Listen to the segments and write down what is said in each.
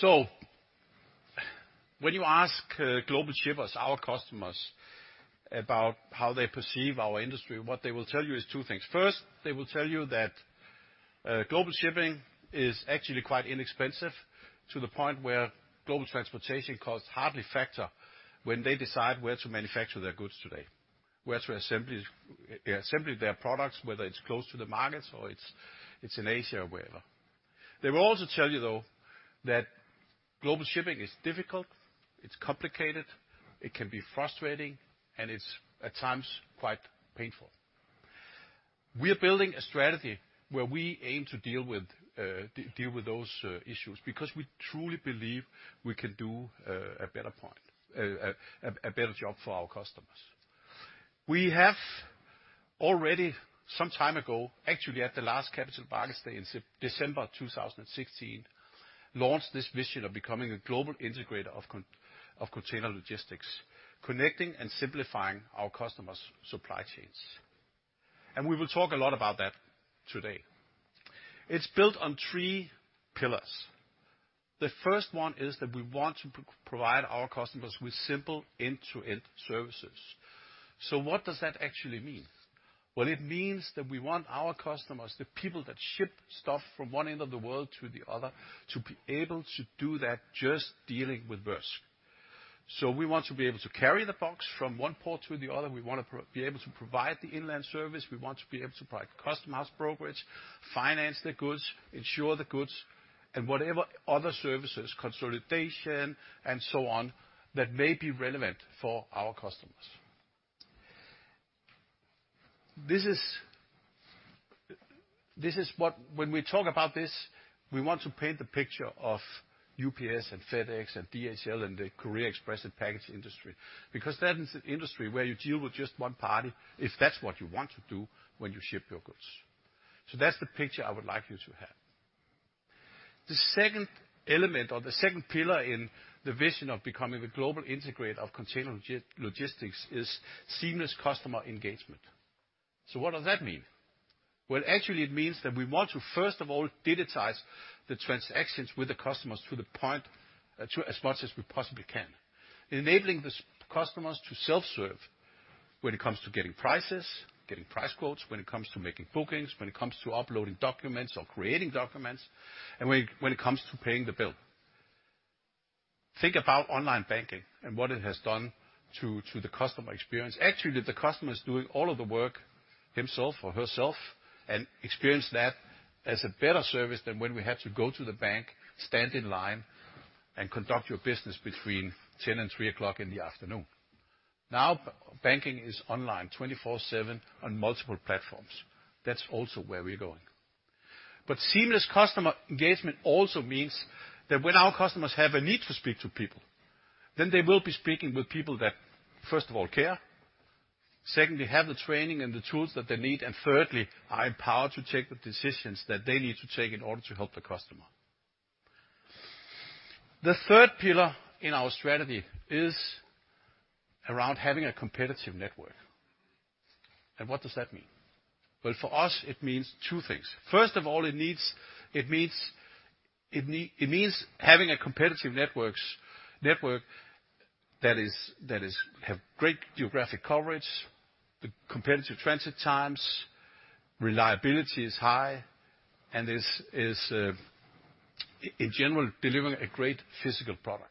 When you ask global shippers, our customers, about how they perceive our industry, what they will tell you is two things. First, they will tell you that global shipping is actually quite inexpensive to the point where global transportation costs hardly factor when they decide where to manufacture their goods today. Where to assemble their products, whether it's close to the markets or in Asia or wherever. They will also tell you that global shipping is difficult, it's complicated, it can be frustrating, and it's at times quite painful. We are building a strategy where we aim to deal with those issues, because we truly believe we can do a better job for our customers. We have already some time ago, actually at the last Capital Markets Day in September-December 2016, launched this vision of becoming a global integrator of container logistics, connecting and simplifying our customers' supply chains. We will talk a lot about that today. It's built on three pillars. The first one is that we want to provide our customers with simple end-to-end services. What does that actually mean? Well, it means that we want our customers, the people that ship stuff from one end of the world to the other, to be able to do that just dealing with Maersk. We want to be able to carry the box from one port to the other. We want to be able to provide the inland service. We want to be able to provide customized brokerage, finance their goods, insure the goods, and whatever other services, consolidation and so on, that may be relevant for our customers. This is what. When we talk about this, we want to paint the picture of UPS and FedEx and DHL and the carrier express and package industry. Because that is an industry where you deal with just one party, if that's what you want to do, when you ship your goods. That's the picture I would like you to have. The second element or the second pillar in the vision of becoming the global integrator of container logistics is seamless customer engagement. What does that mean? Well, actually, it means that we want to, first of all, digitize the transactions with the customers to the point, to as much as we possibly can. Enabling our customers to self-serve when it comes to getting prices, getting price quotes, when it comes to making bookings, when it comes to uploading documents or creating documents, and when it comes to paying the bill. Think about online banking and what it has done to the customer experience. Actually, the customer is doing all of the work himself or herself and experience that as a better service than when we had to go to the bank, stand in line, and conduct your business between 10:00 AM and 3:00 PM in the afternoon. Now, banking is online 24/7 on multiple platforms. That's also where we're going. Seamless customer engagement also means that when our customers have a need to speak to people, then they will be speaking with people that, first of all, care, secondly, have the training and the tools that they need, and thirdly, are empowered to take the decisions that they need to take in order to help the customer. The third pillar in our strategy is around having a competitive network. What does that mean? Well, for us, it means two things. First of all, it means having a competitive network that has great geographic coverage, competitive transit times, reliability is high, and in general, delivering a great physical product.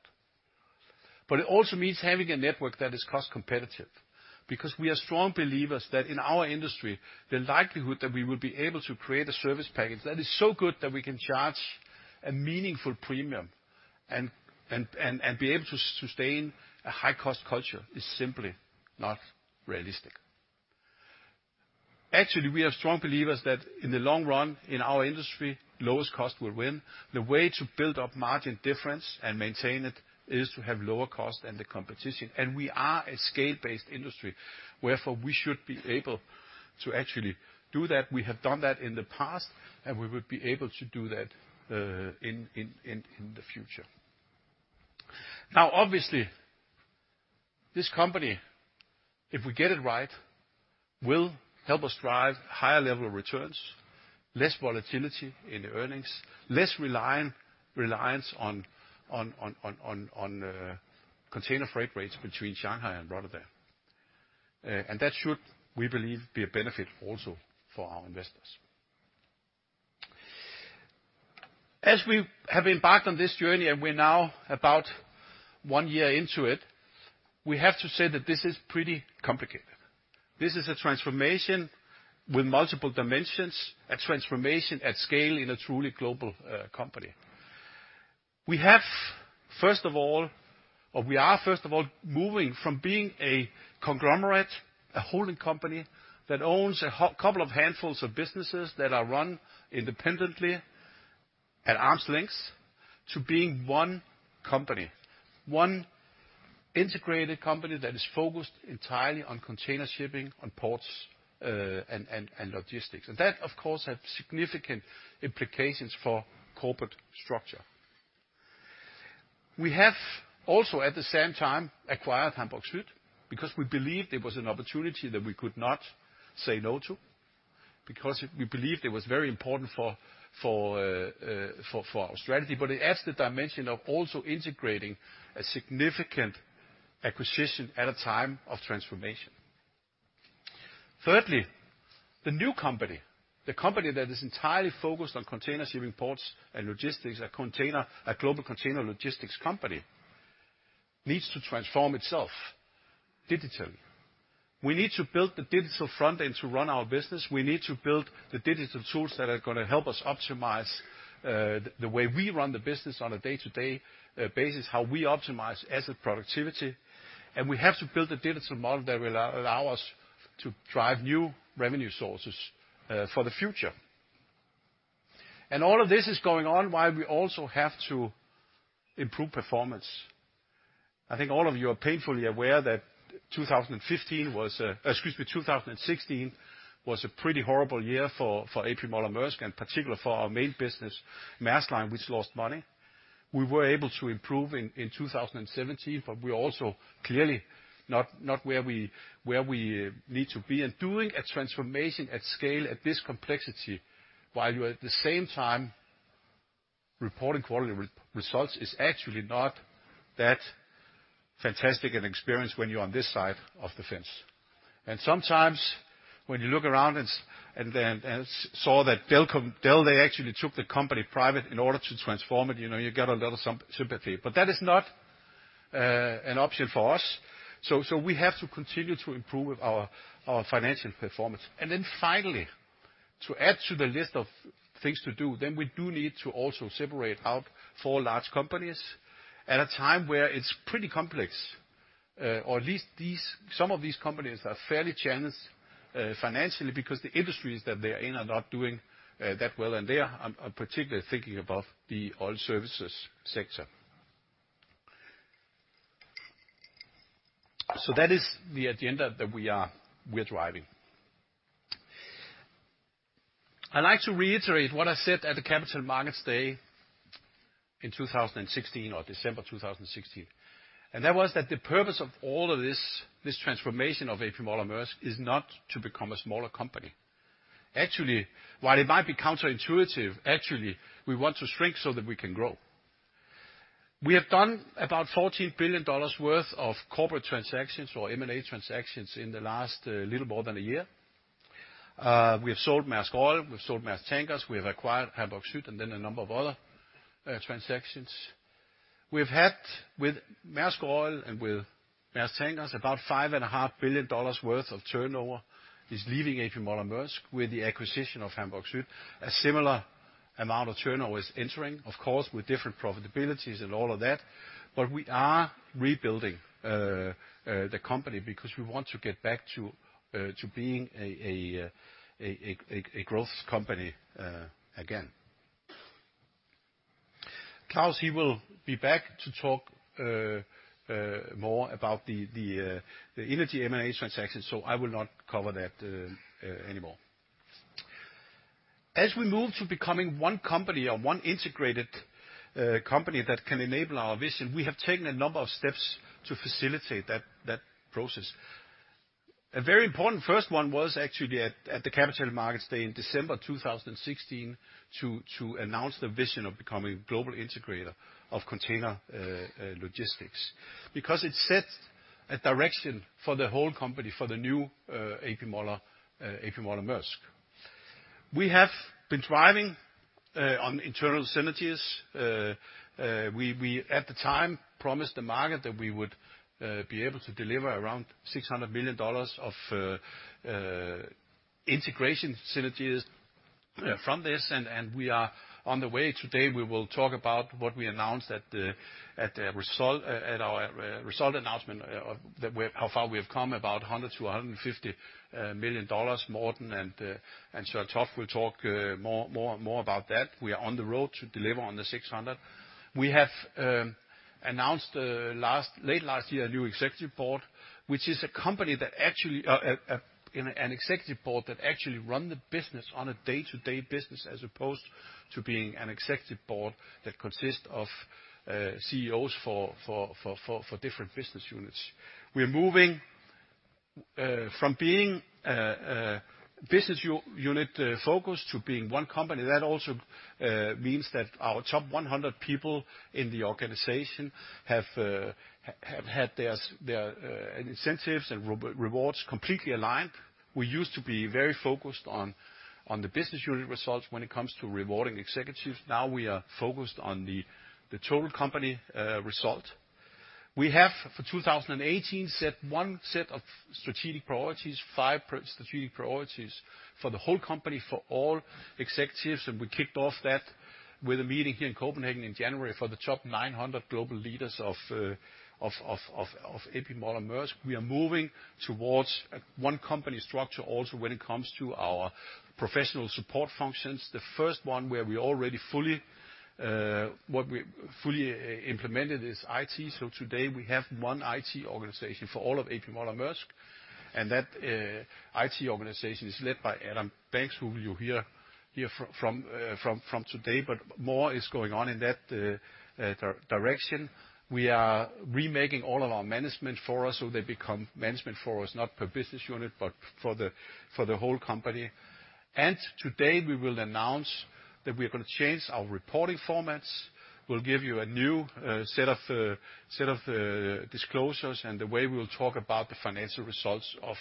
It also means having a network that is cost competitive. Because we are strong believers that in our industry, the likelihood that we will be able to create a service package that is so good that we can charge a meaningful premium and be able to sustain a high-cost culture is simply not realistic. Actually, we are strong believers that in the long run, in our industry, lowest cost will win. The way to build up margin difference and maintain it is to have lower cost than the competition. We are a scale-based industry, wherefore we should be able to actually do that. We have done that in the past, and we would be able to do that in the future. Now, obviously, this company, if we get it right, will help us drive higher level returns, less volatility in the earnings, less reliance on container freight rates between Shanghai and Rotterdam. That should, we believe, be a benefit also for our investors. As we have embarked on this journey, and we're now about one year into it, we have to say that this is pretty complicated. This is a transformation with multiple dimensions, a transformation at scale in a truly global company. We are, first of all, moving from being a conglomerate, a holding company that owns a couple of handfuls of businesses that are run independently at arm's length to being one company. One integrated company that is focused entirely on container shipping, on ports, and logistics. That, of course, has significant implications for corporate structure. We have also, at the same time, acquired Hamburg Süd because we believed it was an opportunity that we could not say no to, because we believed it was very important for our strategy, but it adds the dimension of also integrating a significant acquisition at a time of transformation. Thirdly, the new company, the company that is entirely focused on container shipping ports and logistics, a global container logistics company, needs to transform itself digitally. We need to build the digital front end to run our business. We need to build the digital tools that are gonna help us optimize the way we run the business on a day-to-day basis, how we optimize asset productivity, and we have to build a digital model that will allow us to drive new revenue sources for the future. All of this is going on while we also have to improve performance. I think all of you are painfully aware that 2015 was, excuse me, 2016 was a pretty horrible year for A.P. Moller - Maersk in particular for our main business, Maersk Line, which lost money. We were able to improve in 2017, but we're also clearly not where we need to be. Doing a transformation at scale, at this complexity, while you're at the same time reporting quarterly results, is actually not that fantastic an experience when you're on this side of the fence. Sometimes when you look around and saw that Dell, they actually took the company private in order to transform it, you know, you get a lot of sympathy. That is not an option for us. We have to continue to improve our financial performance. Finally, to add to the list of things to do, we do need to also separate out four large companies at a time where it's pretty complex, or at least some of these companies are fairly challenged financially because the industries that they are in are not doing that well. There I'm particularly thinking about the oil services sector. That is the agenda that we are driving. I'd like to reiterate what I said at the Capital Markets Day in 2016 or December 2016, and that was that the purpose of all of this transformation of A.P. Moller - Maersk, is not to become a smaller company. Actually, while it might be counterintuitive, actually, we want to shrink so that we can grow. We have done about $14 billion worth of corporate transactions or M&A transactions in the last little more than a year. We have sold Maersk Oil, we've sold Maersk Tankers, we have acquired Hamburg Süd, and then a number of other transactions. We've had, with Maersk Oil and with Maersk Tankers, about $5.5 billion worth of turnover is leaving A.P. Moller - Maersk with the acquisition of Hamburg Süd. A similar amount of turnover is entering, of course, with different profitabilities and all of that. We are rebuilding the company because we want to get back to being a growth company again. Claus, he will be back to talk more about the energy M&A transaction, so I will not cover that anymore. As we move to becoming one company or one integrated company that can enable our vision, we have taken a number of steps to facilitate that process. A very important first one was actually at the Capital Markets Day in December 2016 to announce the vision of becoming a global integrator of container logistics. It set a direction for the whole company, for the new A.P. Moller - Maersk. We have been driving on internal synergies. At the time we promised the market that we would be able to deliver around $600 million of integration synergies from this, and we are on the way. Today, we will talk about what we announced at our result announcement of how far we have come, about $100 million-$150 million. Morten and Søren Toft will talk more about that. We are on the road to deliver on the 600. We have announced late last year a new executive board, which actually is an executive board that runs the business on a day-to-day basis as opposed to being an executive board that consists of CEOs for different business units. We're moving from being a business unit focus to being one company. That also means that our top 100 people in the organization have had their incentives and rewards completely aligned. We used to be very focused on the business unit results when it comes to rewarding executives. Now we are focused on the total company result. We have for 2018 set one set of strategic priorities, five strategic priorities for the whole company, for all executives, and we kicked off that with a meeting here in Copenhagen in January for the top 900 global leaders of A.P. Moller - Maersk. We are moving towards a one company structure also when it comes to our professional support functions. The first one where we already fully implemented is IT. Today we have one IT organization for all of A.P. Moller - Maersk, and that IT organization is led by Adam Banks, who you'll hear from today, but more is going on in that direction. We are remaking all of our management for us so they become management for us, not per business unit, but for the whole company. Today we will announce that we are going to change our reporting formats. We'll give you a new set of disclosures and the way we'll talk about the financial results of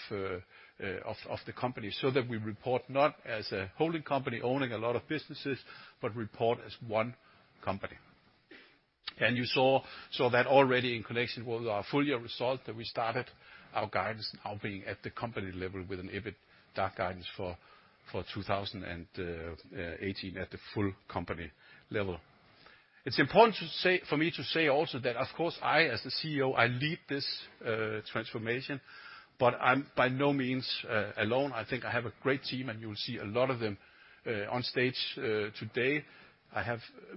the company so that we report not as a holding company owning a lot of businesses, but report as one company. You saw that already in connection with our full year results that we started our guidance now being at the company level with an EBITDA guidance for 2018 at the full company level. It's important to say, for me to say also that of course I, as the CEO, I lead this transformation, but I'm by no means alone. I think I have a great team, and you will see a lot of them on stage today.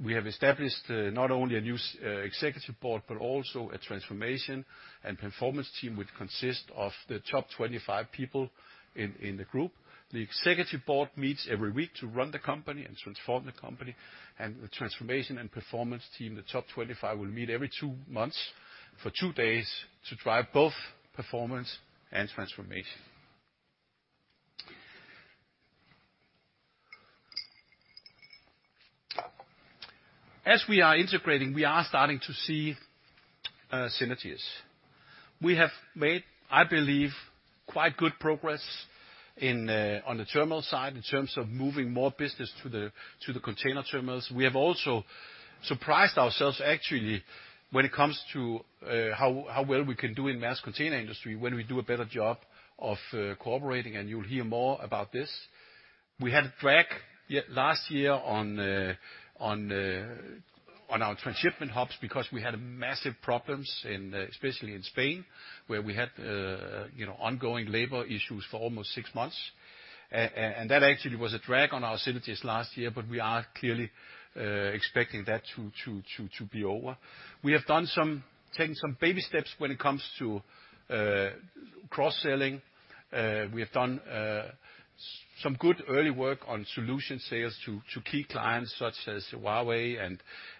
We have established not only a new executive board, but also a transformation and performance team which consists of the top 25 people in the group. The executive board meets every week to run the company and transform the company, and the transformation and performance team, the top 25, will meet every two months for two days to drive both performance and transformation. As we are integrating, we are starting to see synergies. We have made, I believe, quite good progress in on the terminal side in terms of moving more business to the container terminals. We have also surprised ourselves actually when it comes to how well we can do in Maersk Container Industry when we do a better job of cooperating, and you'll hear more about this. We had a drag last year on our transshipment hubs because we had massive problems in, especially in Spain, where we had, you know, ongoing labor issues for almost six months. That actually was a drag on our synergies last year, but we are clearly expecting that to be over. We have taken some baby steps when it comes to cross-selling. We have done some good early work on solution sales to key clients such as Huawei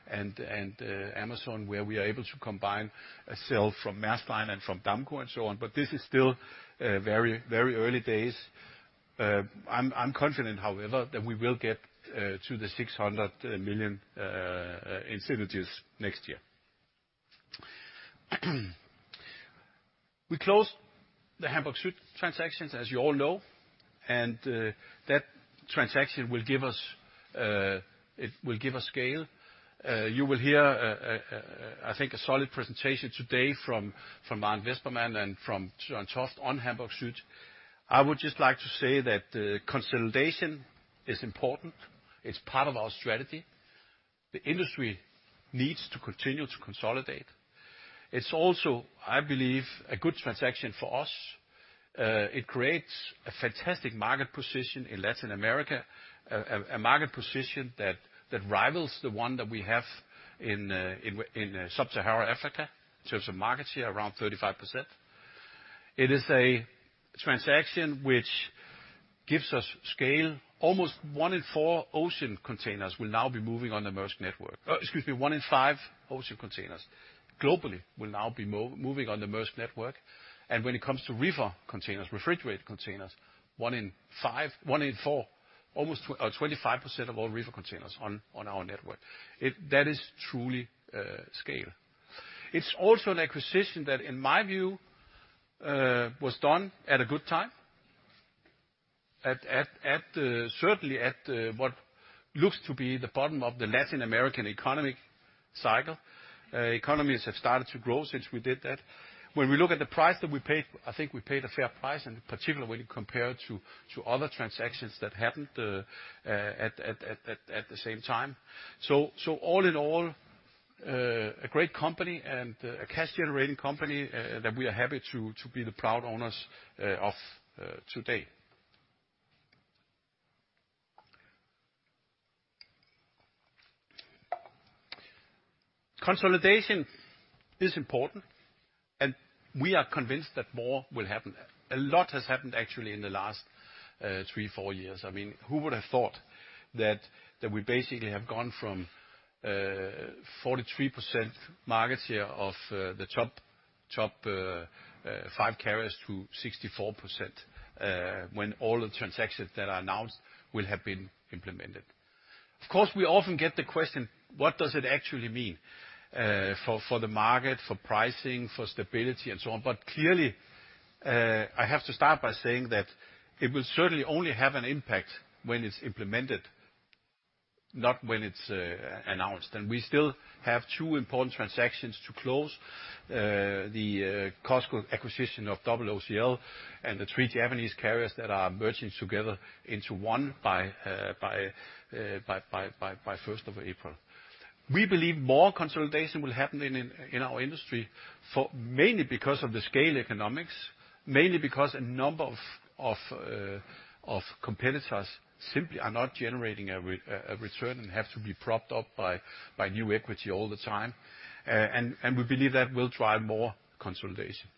and Amazon, where we are able to combine a sale from Maersk Line and from Damco and so on. This is still very early days. I'm confident, however, that we will get to the $600 million in synergies next year. We closed the Hamburg Süd transactions, as you all know, and that transaction will give us it will give us scale. You will hear I think a solid presentation today from Arnt Vespermann and from Søren Toft on Hamburg Süd. I would just like to say that consolidation is important. It's part of our strategy. The industry needs to continue to consolidate. It's also, I believe, a good transaction for us. It creates a fantastic market position in Latin America, a market position that rivals the one that we have in Sub-Saharan Africa, in terms of market share, around 35%. It is a transaction which gives us scale. Almost one in four ocean containers will now be moving on the Maersk network. Excuse me, one in five ocean containers globally will now be moving on the Maersk network. When it comes to reefer containers, refrigerated containers, one in five, one in four, almost 25% of all reefer containers on our network. That is truly scale. It's also an acquisition that, in my view, was done at a good time. Certainly at what looks to be the bottom of the Latin American economic cycle. Economies have started to grow since we did that. When we look at the price that we paid, I think we paid a fair price, and particularly when you compare to other transactions that happened at the same time. All in all, a great company and a cash-generating company that we are happy to be the proud owners of today. Consolidation is important, and we are convinced that more will happen. A lot has happened actually in the last three, four years. I mean, who would have thought that we basically have gone from 43% market share of the top five carriers to 64% when all the transactions that are announced will have been implemented. Of course, we often get the question, "What does it actually mean for the market, for pricing, for stability and so on?" Clearly, I have to start by saying that it will certainly only have an impact when it's implemented, not when it's announced. We still have two important transactions to close, the COSCO acquisition of OOCL and the three Japanese carriers that are merging together into one by 1st of April. We believe more consolidation will happen in our industry mainly because of the economies of scale, mainly because a number of competitors simply are not generating a return and have to be propped up by new equity all the time. We believe that will drive more consolidation.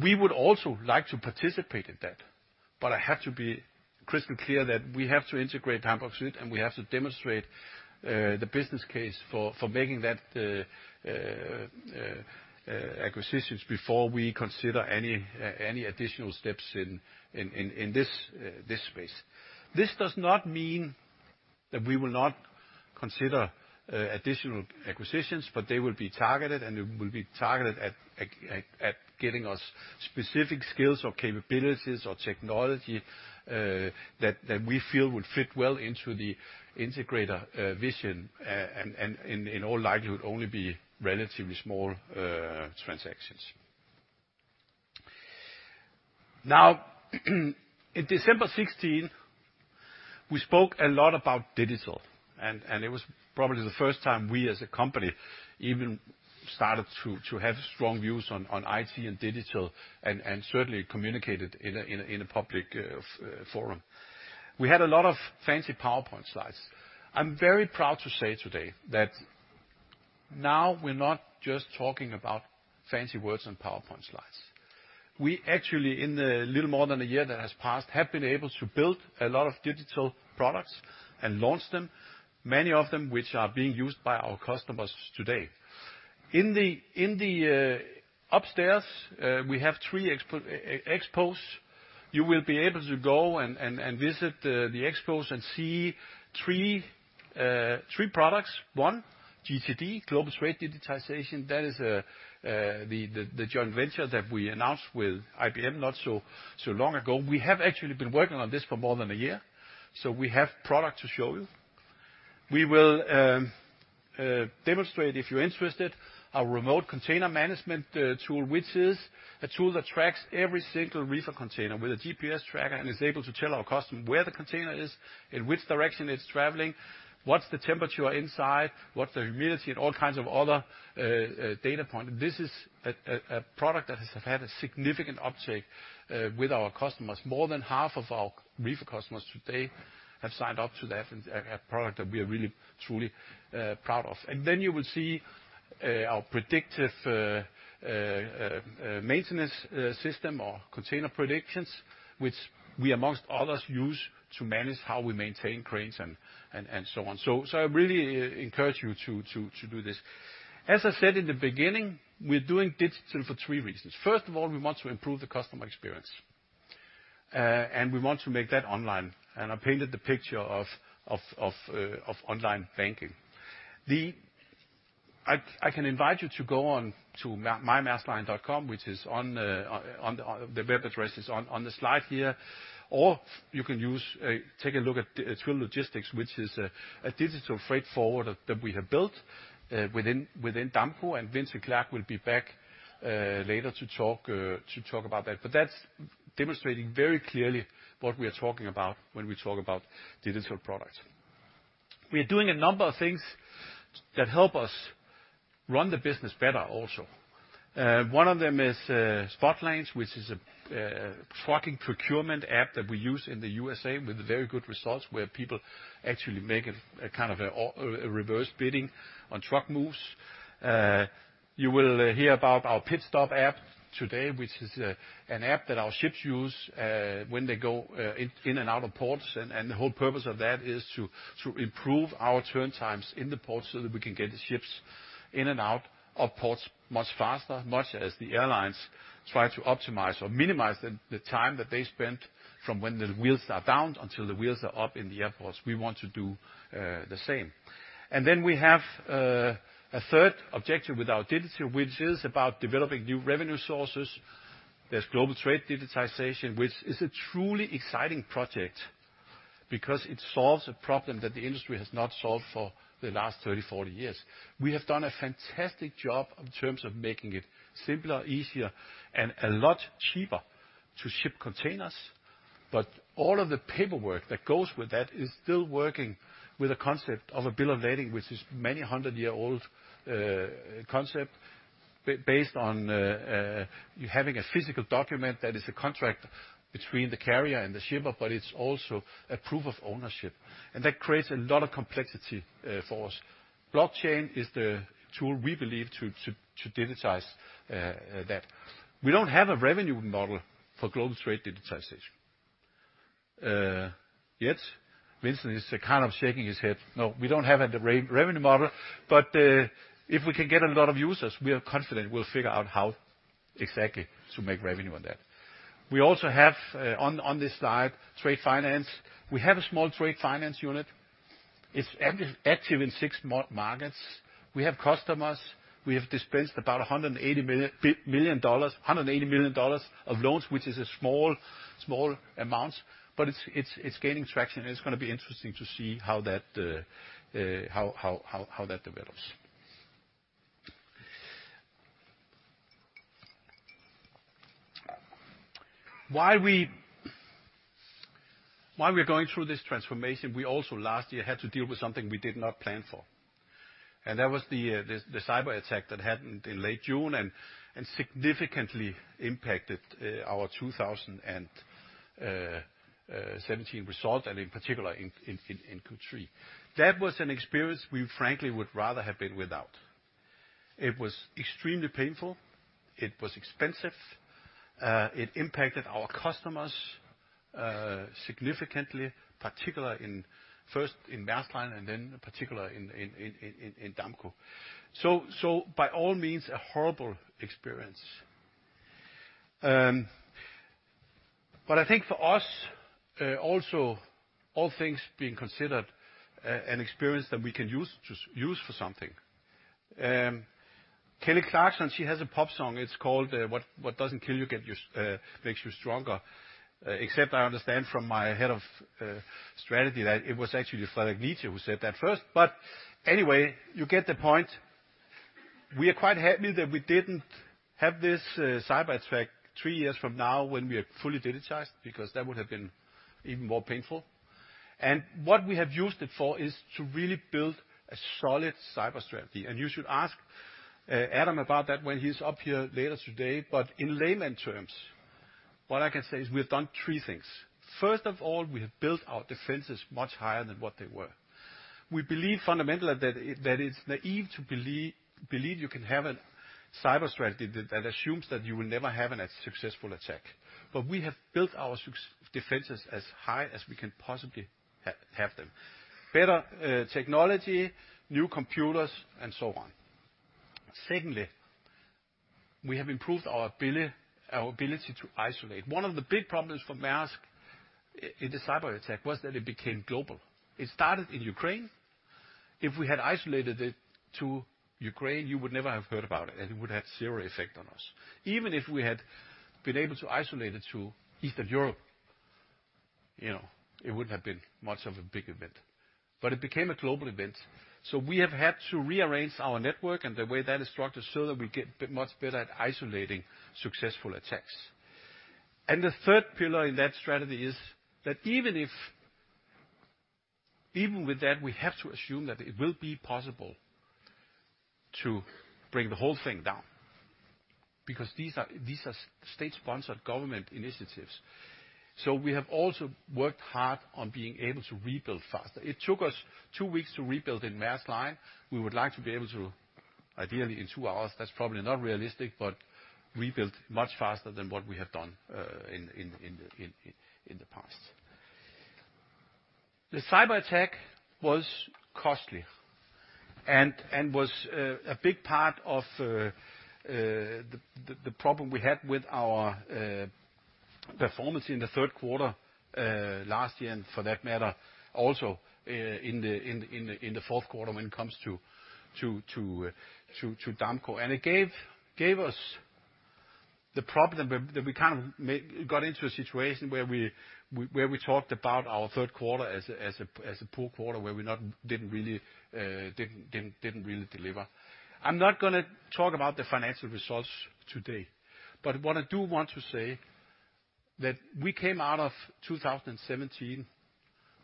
We would also like to participate in that, but I have to be crystal clear that we have to integrate Hamburg Süd, and we have to demonstrate the business case for making that acquisitions before we consider any additional steps in this space. This does not mean that we will not consider additional acquisitions, but they will be targeted, and they will be targeted at getting us specific skills or capabilities or technology that we feel would fit well into the integrator vision, and in all likelihood only be relatively small transactions. Now, in December 2016, we spoke a lot about digital, and it was probably the first time we, as a company, even started to have strong views on IT and digital and certainly communicate it in a public forum. We had a lot of fancy PowerPoint slides. I'm very proud to say today that now we're not just talking about fancy words on PowerPoint slides. We actually, in the little more than a year that has passed, have been able to build a lot of digital products and launch them, many of them which are being used by our customers today. In the upstairs, we have three expos. You will be able to go and visit the expos and see three products. One, GTD, Global Trade Digitization. That is the joint venture that we announced with IBM not so long ago. We have actually been working on this for more than a year, so we have product to show you. We will demonstrate, if you're interested, our Remote Container Management tool, which is a tool that tracks every single reefer container with a GPS tracker and is able to tell our customer where the container is, in which direction it's traveling, what's the temperature inside, what the humidity, and all kinds of other data point. This is a product that has had a significant uptake with our customers. More than half of our reefer customers today have signed up to that, and a product that we are really truly proud of. Then you will see our predictive maintenance system or container predictions, which we, among others, use to manage how we maintain cranes and so on. I really encourage you to do this. As I said in the beginning, we're doing digital for three reasons. First of all, we want to improve the customer experience, and we want to make that online, and I painted the picture of online banking. I can invite you to go on to mymaerskline.com, the web address is on the slide here, or you can use a. Take a look at Twill, which is a digital freight forwarder that we have built within Damco, and Vincent Clerc will be back later to talk about that. That's demonstrating very clearly what we are talking about when we talk about digital products. We are doing a number of things that help us run the business better also. One of them is Spotlines, which is a trucking procurement app that we use in the USA with very good results, where people actually make a kind of reverse bidding on truck moves. You will hear about our Pit Stop app today, which is an app that our ships use when they go in and out of ports. The whole purpose of that is to improve our turn times in the port so that we can get the ships in and out of ports much faster, much as the airlines try to optimize or minimize the time that they spend from when the wheels are down until the wheels are up in the airports. We want to do the same. Then we have a third objective with our digital, which is about developing new revenue sources. There's Global Trade Digitization, which is a truly exciting project because it solves a problem that the industry has not solved for the last 30-40 years. We have done a fantastic job in terms of making it simpler, easier, and a lot cheaper to ship containers, but all of the paperwork that goes with that is still working with a concept of a bill of lading, which is many-hundred-year-old concept based on you having a physical document that is a contract between the carrier and the shipper, but it's also a proof of ownership, and that creates a lot of complexity for us. Blockchain is the tool we believe to digitize that. We don't have a revenue model for Global Trade Digitization yet. Vincent is kind of shaking his head. No, we don't have a revenue model, but if we can get a lot of users, we are confident we'll figure out how exactly to make revenue on that. We also have on this slide, trade finance. We have a small trade finance unit. It's active in six markets. We have customers. We have dispensed about $180 million of loans, which is a small amount, but it's gaining traction, and it's gonna be interesting to see how that develops. While we're going through this transformation, we also last year had to deal with something we did not plan for, and that was the cyberattack that happened in late June and significantly impacted our 2017 result and in particular in Q3. That was an experience we frankly would rather have been without. It was extremely painful. It was expensive. It impacted our customers significantly, particularly in Maersk Line and then particularly in Damco. So by all means, a horrible experience. I think for us, also all things being considered, an experience that we can use for something. Kelly Clarkson, she has a pop song, it's called What Doesn't Kill You Makes You Stronger. Except I understand from my head of strategy that it was actually Friedrich Nietzsche who said that first. Anyway, you get the point. We are quite happy that we didn't have this cyber attack three years from now when we are fully digitized, because that would have been even more painful. What we have used it for is to really build a solid cyber strategy. You should ask, Adam about that when he's up here later today. In layman's terms, what I can say is we've done three things. First of all, we have built our defenses much higher than what they were. We believe fundamentally that it's naive to believe you can have a cyber strategy that assumes that you will never have a successful attack. We have built our defenses as high as we can possibly have them. Better technology, new computers, and so on. Secondly, we have improved our ability to isolate. One of the big problems for Maersk in the cyber attack was that it became global. It started in Ukraine. If we had isolated it to Ukraine, you would never have heard about it, and it would have zero effect on us. Even if we had been able to isolate it to Eastern Europe, you know, it wouldn't have been much of a big event. It became a global event, so we have had to rearrange our network and the way that is structured so that we get much better at isolating successful attacks. The third pillar in that strategy is that even if, even with that, we have to assume that it will be possible to bring the whole thing down, because these are state-sponsored government initiatives. We have also worked hard on being able to rebuild faster. It took us two weeks to rebuild in Maersk Line. We would like to be able to ideally in two hours, that's probably not realistic, but rebuild much faster than what we have done in the past. The cyber attack was costly and was a big part of the problem we had with our performance in the third quarter last year, and for that matter, also in the fourth quarter when it comes to Damco. It gave us the problem that we got into a situation where we talked about our third quarter as a poor quarter where we didn't really deliver. I'm not gonna talk about the financial results today, but what I do want to say that we came out of 2017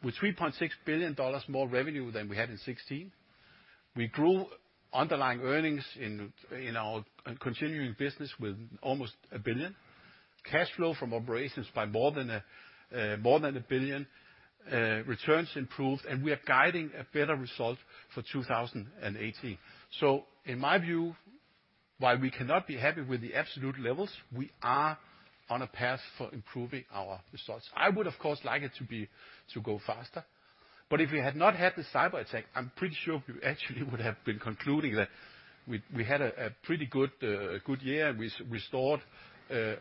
with $3.6 billion more revenue than we had in 2016. We grew underlying earnings in our continuing business with almost $1 billion. Cash flow from operations by more than $1 billion. Returns improved, and we are guiding a better result for 2018. In my view, while we cannot be happy with the absolute levels, we are on a path for improving our results. I would, of course, like it to go faster, but if we had not had the cyber attack, I'm pretty sure we actually would have been concluding that we had a pretty good year. We restored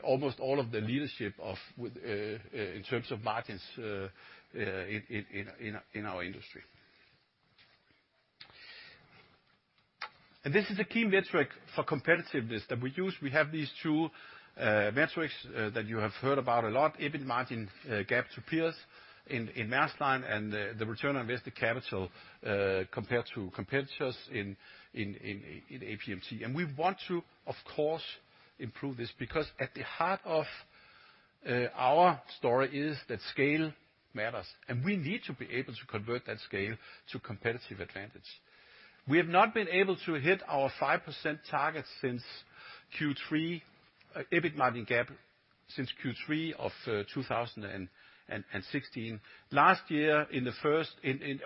almost all of the leadership in terms of margins in our industry. This is a key metric for competitiveness that we use. We have these two metrics that you have heard about a lot, EBIT margin gap to peers in Maersk Line, and the return on invested capital compared to competitors in APMT. We want to, of course, improve this because at the heart of our story is that scale matters, and we need to be able to convert that scale to competitive advantage. We have not been able to hit our 5% target since Q3 EBIT margin gap since Q3 of 2016. Last year, in the first,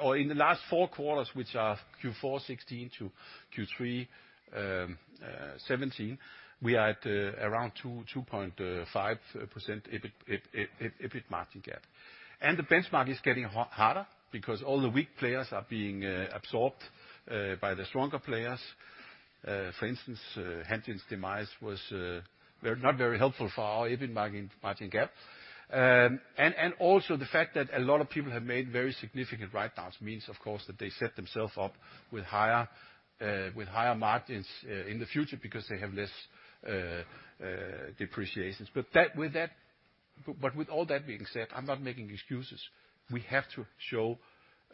or in the last four quarters, which are Q4 2016 to Q3 2017, we are at around 2%-2.5% EBIT margin gap. The benchmark is getting harder because all the weak players are being absorbed by the stronger players. For instance, Hanjin's demise was not very helpful for our EBIT margin gap. Also, the fact that a lot of people have made very significant write-downs means, of course, that they set themselves up with higher margins in the future because they have less depreciations. With all that being said, I'm not making excuses. We have to show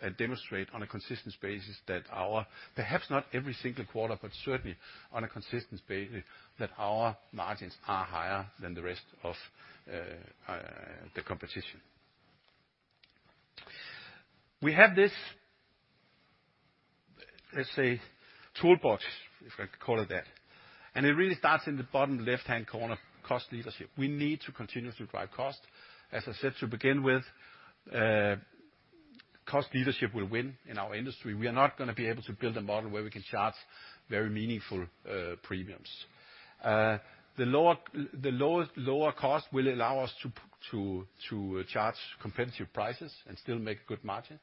and demonstrate on a consistent basis that our, perhaps not every single quarter, but certainly on a consistent basis, that our margins are higher than the rest of the competition. We have this, let's say, toolbox, if I could call it that, and it really starts in the bottom left-hand corner, cost leadership. We need to continue to drive cost. As I said to begin with, cost leadership will win in our industry. We are not gonna be able to build a model where we can charge very meaningful premiums. The lowest cost will allow us to charge competitive prices and still make good margin.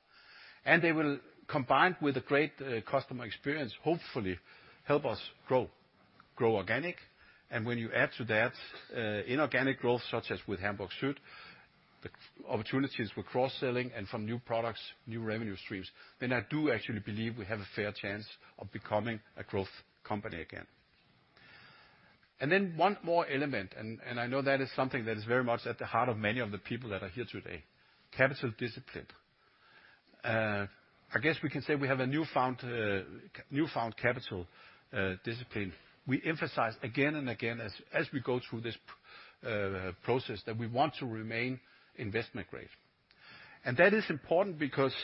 They will, combined with a great customer experience, hopefully help us grow organic. When you add to that, inorganic growth, such as with Hamburg Süd, the opportunities for cross-selling and from new products, new revenue streams, then I do actually believe we have a fair chance of becoming a growth company again. Then one more element. I know that is something that is very much at the heart of many of the people that are here today, capital discipline. I guess we can say we have a newfound capital discipline. We emphasize again and again as we go through this process that we want to remain investment grade. That is important because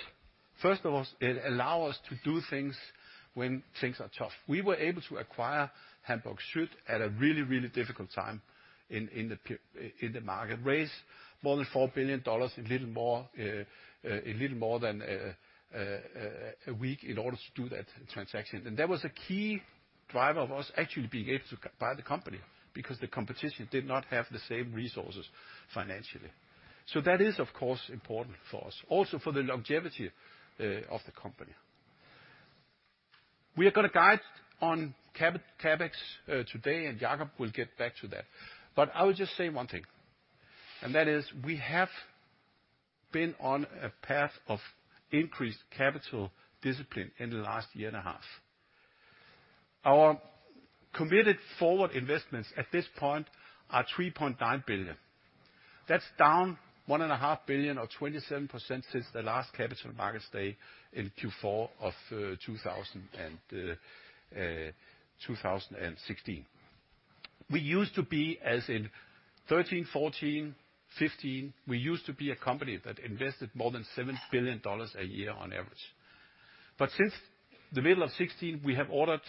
first of all, it allow us to do things when things are tough. We were able to acquire Hamburg Süd at a really difficult time in the market, raise more than $4 billion, a little more than a week in order to do that transaction. That was a key driver of us actually being able to buy the company because the competition did not have the same resources financially. That is, of course, important for us, also for the longevity of the company. We are gonna guide on CapEx today, and Jakob will get back to that. I will just say one thing, and that is we have been on a path of increased capital discipline in the last year and a half. Our committed forward investments at this point are $3.9 billion. That's down $1.5 billion or 27% since the last Capital Markets Day in Q4 of 2016. We used to be, as in 2013, 2014, 2015, we used to be a company that invested more than $7 billion a year on average. Since the middle of 2016, we have ordered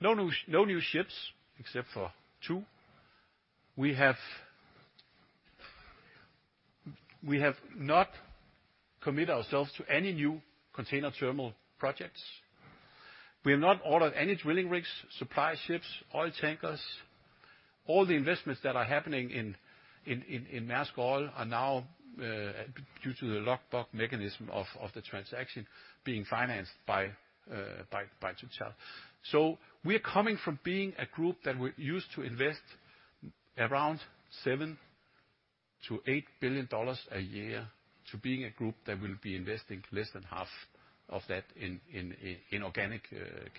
no new ships except for two. We have not commit ourselves to any new container terminal projects. We have not ordered any drilling rigs, supply ships, oil tankers. All the investments that are happening in Maersk Oil are now due to the lockbox mechanism of the transaction being financed by Total. We're coming from being a group that we used to invest around $7 billion-$8 billion a year to being a group that will be investing less than half of that in organic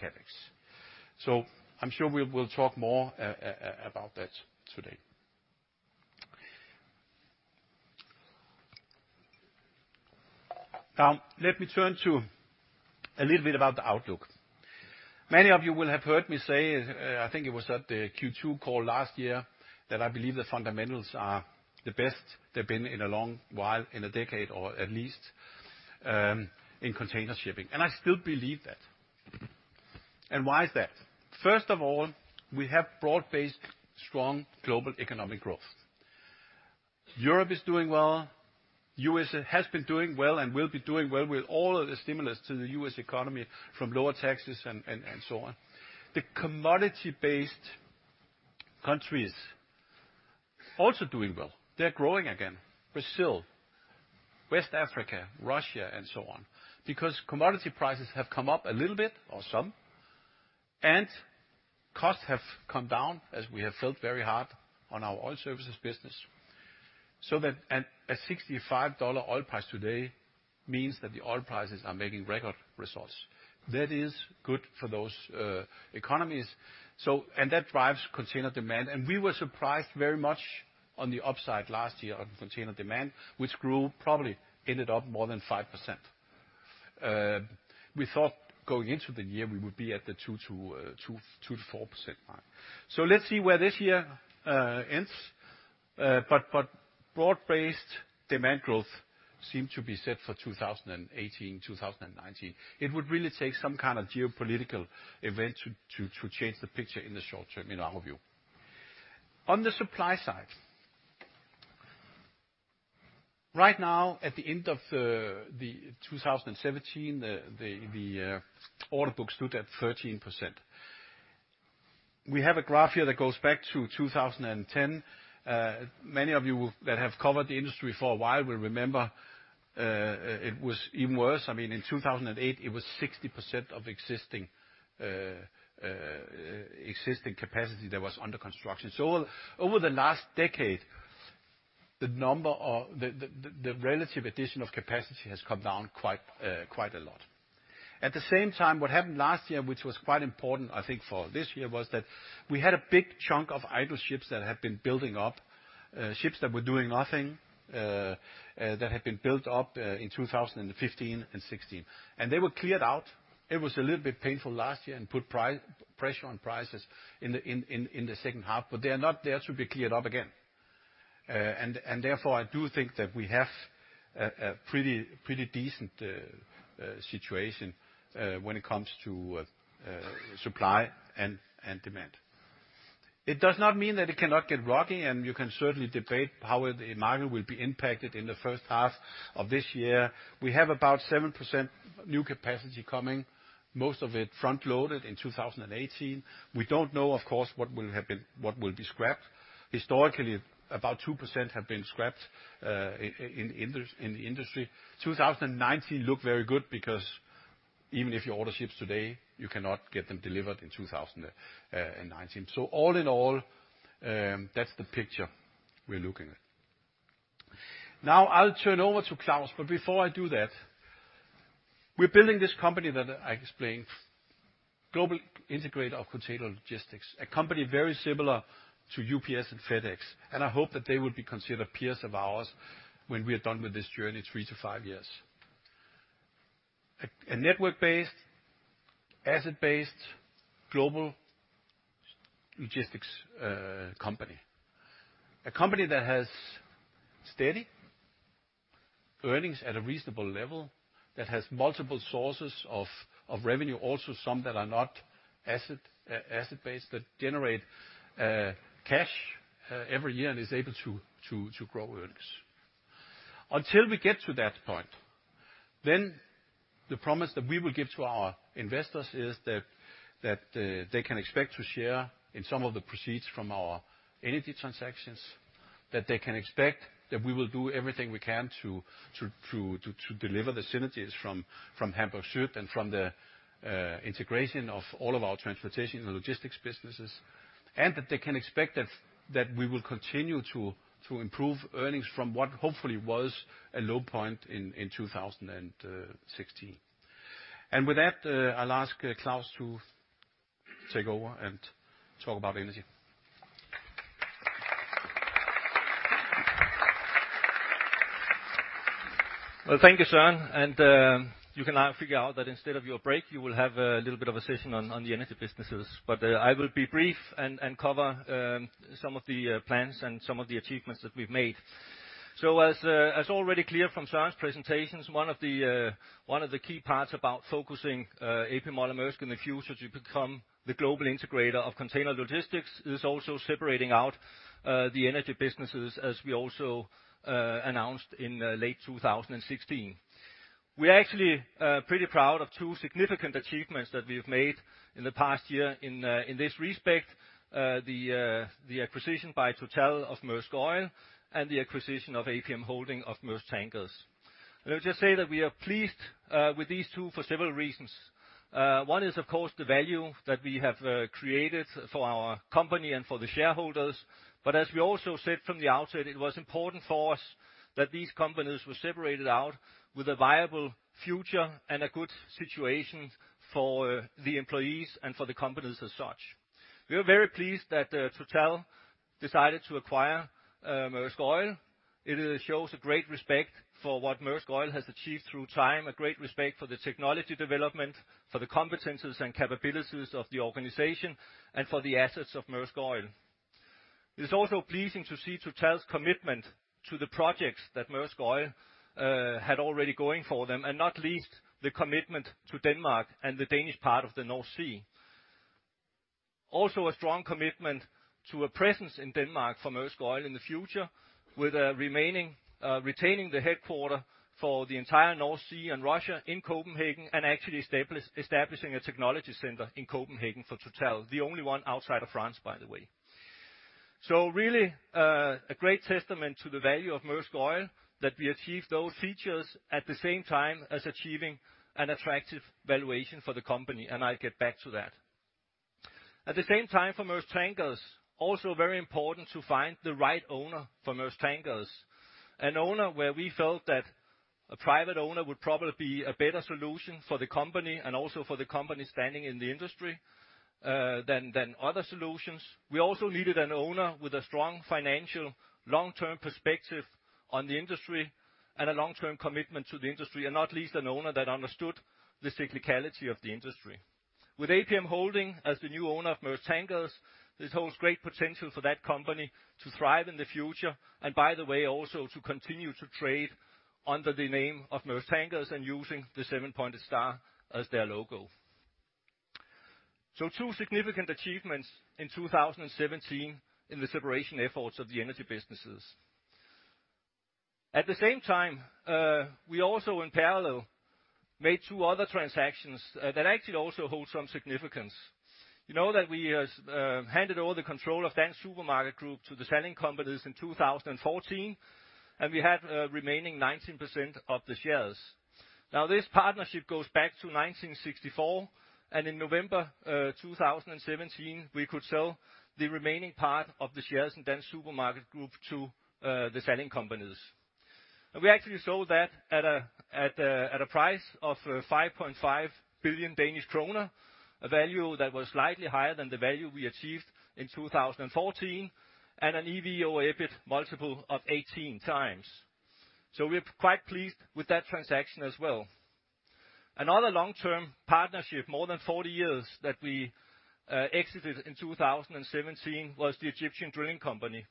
CapEx. I'm sure we will talk more about that today. Now, let me turn to a little bit about the outlook. Many of you will have heard me say, I think it was at the Q2 call last year, that I believe the fundamentals are the best they've been in a long while, in a decade or at least, in container shipping. I still believe that. Why is that? First of all, we have broad-based, strong global economic growth. Europe is doing well. U.S. has been doing well and will be doing well with all of the stimulus to the U.S. economy from lower taxes and so on. The commodity-based countries also doing well. They're growing again. Brazil, West Africa, Russia, and so on. Because commodity prices have come up a little bit or some, and costs have come down as we have felt very hard on our oil services business. That, and a $65 oil price today means that the oil prices are making record results. That is good for those economies. That drives container demand. We were surprised very much on the upside last year on container demand, which grew, probably ended up more than 5%. We thought going into the year, we would be at the 2%-4% mark. Let's see where this year ends. But broad-based demand growth seemed to be set for 2018, 2019. It would really take some kind of geopolitical event to change the picture in the short term, in our view. On the supply side. Right now, at the end of 2017, the order books stood at 13%. We have a graph here that goes back to 2010. Many of you that have covered the industry for a while will remember, it was even worse. I mean, in 2008, it was 60% of existing capacity that was under construction. Over the last decade, the relative addition of capacity has come down quite a lot. At the same time, what happened last year, which was quite important, I think, for this year, was that we had a big chunk of idle ships that had been building up, ships that were doing nothing, that had been built up in 2015 and 2016. They were cleared out. It was a little bit painful last year and put pressure on prices in the second half, but they are not there to be cleared up again. Therefore, I do think that we have a pretty decent situation when it comes to supply and demand. It does not mean that it cannot get rocky, and you can certainly debate how the market will be impacted in the first half of this year. We have about 7% new capacity coming, most of it front-loaded in 2018. We don't know, of course, what will be scrapped. Historically, about 2% have been scrapped in the industry. 2019 look very good because, even if you order ships today, you cannot get them delivered in 2019. All in all, that's the picture we're looking at. Now I'll turn over to Claus, but before I do that, we're building this company that I explained, global integrator of container logistics, a company very similar to UPS and FedEx. I hope that they will be considered peers of ours when we are done with this journey three to five years. A network-based, asset-based, global logistics company. A company that has steady earnings at a reasonable level, that has multiple sources of revenue, also some that are not asset-based, that generate cash every year and is able to grow earnings. Until we get to that point, the promise that we will give to our investors is that they can expect to share in some of the proceeds from our energy transactions, that they can expect that we will do everything we can to deliver the synergies from Hamburg Süd and from the integration of all of our transportation and logistics businesses, and that they can expect that we will continue to improve earnings from what hopefully was a low point in 2016. With that, I'll ask Claus to take over and talk about energy. Well, thank you, Søren. You can now figure out that instead of your break, you will have a little bit of a session on the energy businesses. I will be brief and cover some of the plans and some of the achievements that we've made. As already clear from Søren's presentations, one of the key parts about focusing A.P. Møller - Maersk in the future to become the global integrator of container logistics is also separating out the energy businesses, as we also announced in late 2016. We are actually pretty proud of two significant achievements that we have made in the past year in this respect. The acquisition by Total of Maersk Oil and the acquisition of A.P. Møller Holding of Maersk Tankers. Let me just say that we are pleased with these two for several reasons. One is, of course, the value that we have created for our company and for the shareholders. As we also said from the outset, it was important for us that these companies were separated out with a viable future and a good situation for the employees and for the companies as such. We are very pleased that Total decided to acquire Maersk Oil. It shows a great respect for what Maersk Oil has achieved through time, a great respect for the technology development, for the competencies and capabilities of the organization, and for the assets of Maersk Oil. It is also pleasing to see Total's commitment to the projects that Maersk Oil had already going for them, and not least the commitment to Denmark and the Danish part of the North Sea. A strong commitment to a presence in Denmark for Maersk Oil in the future, with retaining the headquarters for the entire North Sea and Russia in Copenhagen and actually establishing a technology center in Copenhagen for Total, the only one outside of France, by the way. Really, a great testament to the value of Maersk Oil that we achieved those features at the same time as achieving an attractive valuation for the company. I'll get back to that. At the same time for Maersk Tankers, also very important to find the right owner for Maersk Tankers. An owner where we felt that a private owner would probably be a better solution for the company and also for the company standing in the industry, than other solutions. We also needed an owner with a strong financial long-term perspective on the industry and a long-term commitment to the industry, and not least an owner that understood the cyclicality of the industry. With A.P. Møller Holding as the new owner of Maersk Tankers, this holds great potential for that company to thrive in the future and by the way, also to continue to trade under the name of Maersk Tankers and using the seven-pointed star as their logo. Two significant achievements in 2017 in the separation efforts of the energy businesses. At the same time, we also in parallel made two other transactions that actually also hold some significance. You know that we handed over the control of Dansk Supermarked Group to the Salling companies in 2014, and we had a remaining 19% of the shares. Now this partnership goes back to 1964, and in November 2017, we could sell the remaining part of the shares in Dansk Supermarked Group to the Salling companies. We actually sold that at a price of 5.5 billion Danish kroner, a value that was slightly higher than the value we achieved in 2014 and an EV/EBIT multiple of 18x. We're quite pleased with that transaction as well. Another long-term partnership, more than 40 years, that we exited in 2017 was the Egyptian Drilling Company,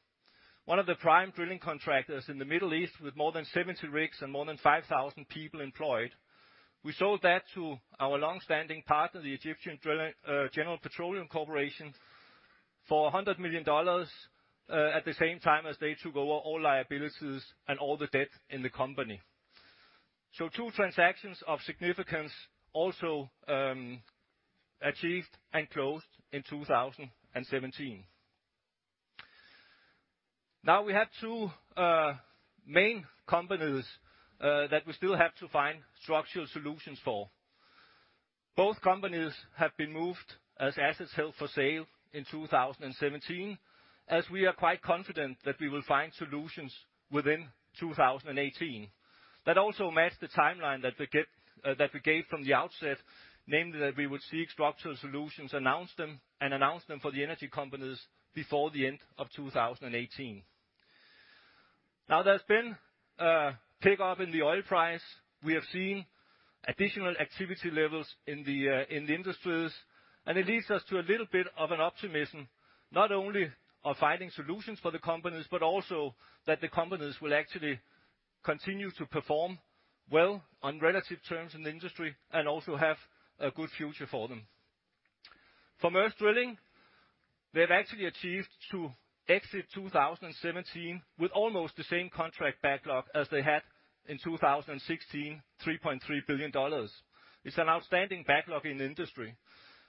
one of the prime drilling contractors in the Middle East with more than 70 rigs and more than 5,000 people employed. We sold that to our long-standing partner, the Egyptian Drilling Company, Egyptian General Petroleum Corporation, for $100 million, at the same time as they took over all liabilities and all the debt in the company. Two transactions of significance also achieved and closed in 2017. Now we have two main companies that we still have to find structural solutions for. Both companies have been moved as assets held for sale in 2017, as we are quite confident that we will find solutions within 2018. That also matched the timeline that we gave from the outset, namely that we would seek structural solutions, announce them, and announce them for the energy companies before the end of 2018. Now there's been a pick-up in the oil price. We have seen additional activity levels in the industries, and it leads us to a little bit of an optimism, not only of finding solutions for the companies, but also that the companies will actually continue to perform well on relative terms in the industry and also have a good future for them. For Maersk Drilling, they've actually achieved to exit 2017 with almost the same contract backlog as they had in 2016, $3.3 billion. It's an outstanding backlog in the industry,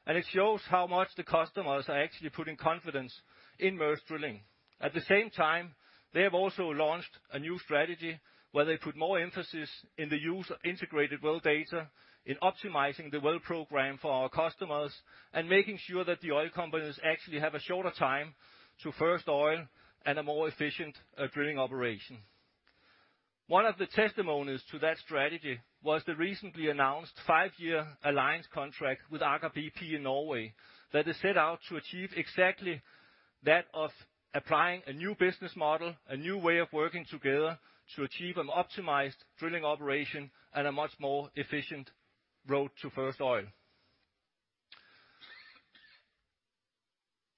and it shows how much the customers are actually putting confidence in Maersk Drilling. At the same time, they have also launched a new strategy where they put more emphasis in the use of integrated well data, in optimizing the well program for our customers, and making sure that the oil companies actually have a shorter time to first oil at a more efficient drilling operation. One of the testimonies to that strategy was the recently announced five-year alliance contract with Aker BP in Norway that is set out to achieve exactly that of applying a new business model, a new way of working together to achieve an optimized drilling operation and a much more efficient road to first oil.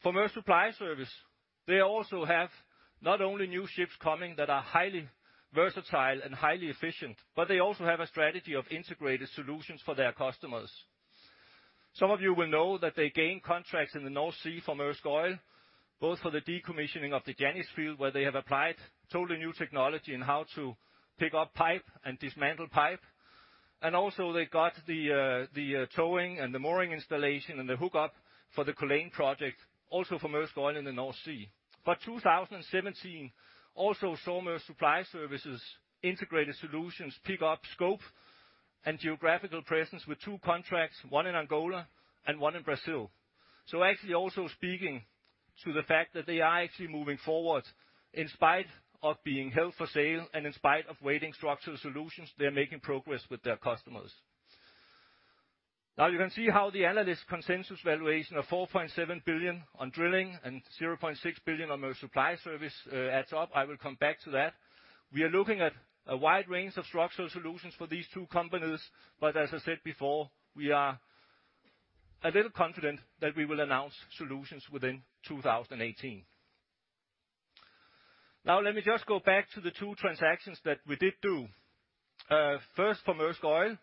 For Maersk Supply Service, they also have not only new ships coming that are highly versatile and highly efficient, but they also have a strategy of integrated solutions for their customers. Some of you will know that they gained contracts in the North Sea for Maersk Oil, both for the decommissioning of the Janice field, where they have applied totally new technology in how to pick up pipe and dismantle pipe. Also they got the towing and the mooring installation and the hookup for the Culzean project, also for Maersk Oil in the North Sea. 2017 also saw Maersk Supply Service integrated solutions pick up scope and geographical presence with two contracts, one in Angola and one in Brazil. Actually also speaking to the fact that they are actually moving forward in spite of being held for sale and in spite of waiting structural solutions, they are making progress with their customers. Now you can see how the analyst consensus valuation of $4.7 billion on drilling and $0.6 billion on Maersk Supply Service adds up. I will come back to that. We are looking at a wide range of structural solutions for these two companies, but as I said before, we are a little confident that we will announce solutions within 2018. Now let me just go back to the two transactions that we did do. First for Maersk Oil.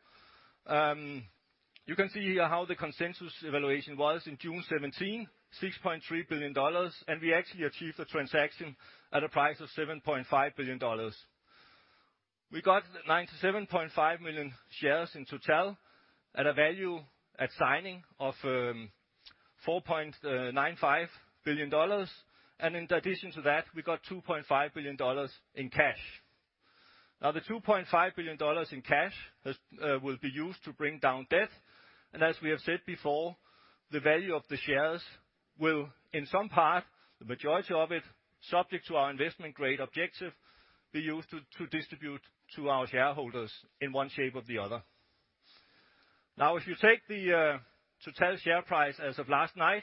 You can see here how the consensus valuation was in June 2017, $6.3 billion, and we actually achieved the transaction at a price of $7.5 billion. We got 97.5 million shares in total at a value at signing of $4.95 billion. In addition to that, we got $2.5 billion in cash. The $2.5 billion in cash will be used to bring down debt, and as we have said before, the value of the shares will, in some part, the majority of it, subject to our investment grade objective, be used to distribute to our shareholders in one shape or the other. Now, if you take the total share price as of last night,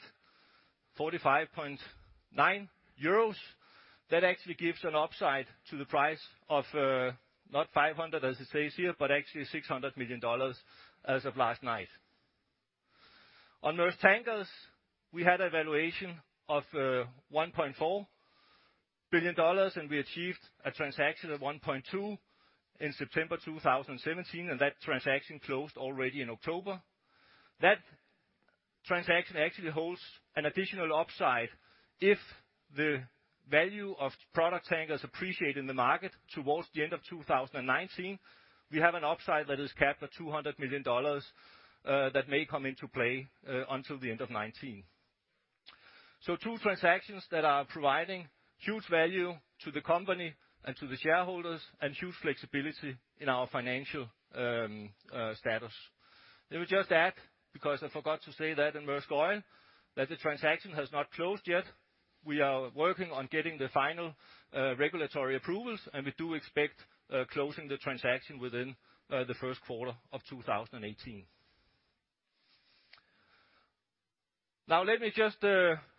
45.9 euros, that actually gives an upside to the price of not 500, as it says here, but actually $600 million as of last night. On Maersk Tankers, we had a valuation of $1.4 billion, and we achieved a transaction of $1.2 billion in September 2017, and that transaction closed already in October. That transaction actually holds an additional upside if the value of product tankers appreciate in the market towards the end of 2019. We have an upside that is capped at $200 million that may come into play until the end of 2019. Two transactions that are providing huge value to the company and to the shareholders and huge flexibility in our financial status. Let me just add, because I forgot to say that in Maersk Oil, that the transaction has not closed yet. We are working on getting the final regulatory approvals, and we do expect closing the transaction within the first quarter of 2018. Now let me just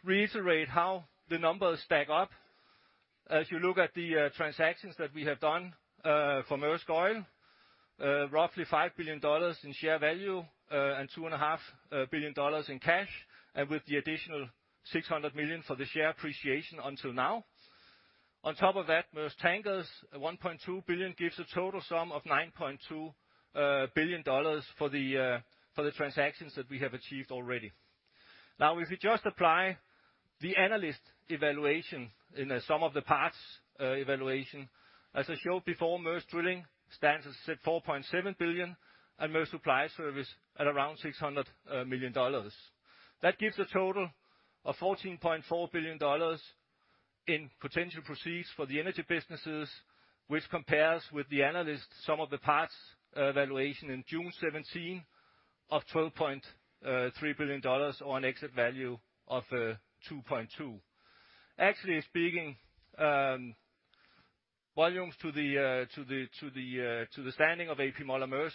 reiterate how the numbers stack up. As you look at the transactions that we have done for Maersk Oil, roughly $5 billion in share value, and $2.5 billion in cash, and with the additional $600 million for the share appreciation until now. On top of that, Maersk Tankers at $1.2 billion gives a total sum of $9.2 billion for the transactions that we have achieved already. Now, if you just apply the analyst evaluation in the sum of the parts evaluation, as I showed before, Maersk Drilling stands at $4.7 billion and Maersk Supply Service at around $600 million. That gives a total of $14.4 billion in potential proceeds for the energy businesses, which compares with the analyst sum of the parts valuation in June 2017 of $12.3 billion on exit value of $2.2 billion. Actually, speaking volumes to the standing of A.P. Moller - Maersk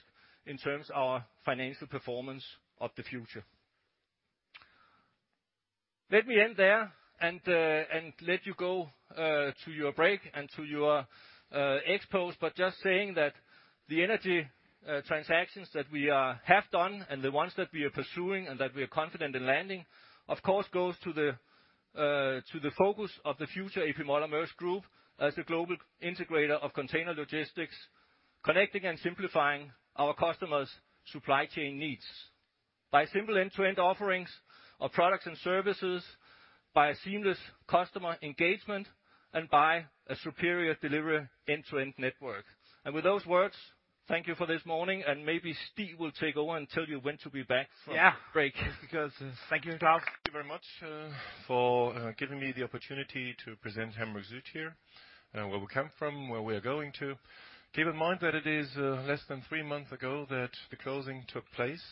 in terms of our financial performance in the future. Let me end there and let you go to your break and to your Q&A. Just saying that the energy transactions that we have done and the ones that we are pursuing and that we are confident in landing, of course goes to the focus of the future A.P. Moller - Maersk Group as the global integrator of container logistics, connecting and simplifying our customers' supply chain needs by simple end-to-end offerings of products and services, by a seamless customer engagement, and by a superior delivery end-to-end network. With those words, thank you for this morning, and maybe Stig will take over and tell you when to be back from break. Yeah. Thank you, Claus. Thank you very much for giving me the opportunity to present Hamburg Süd here, where we come from, where we're going to. Keep in mind that it is less than three months ago that the closing took place.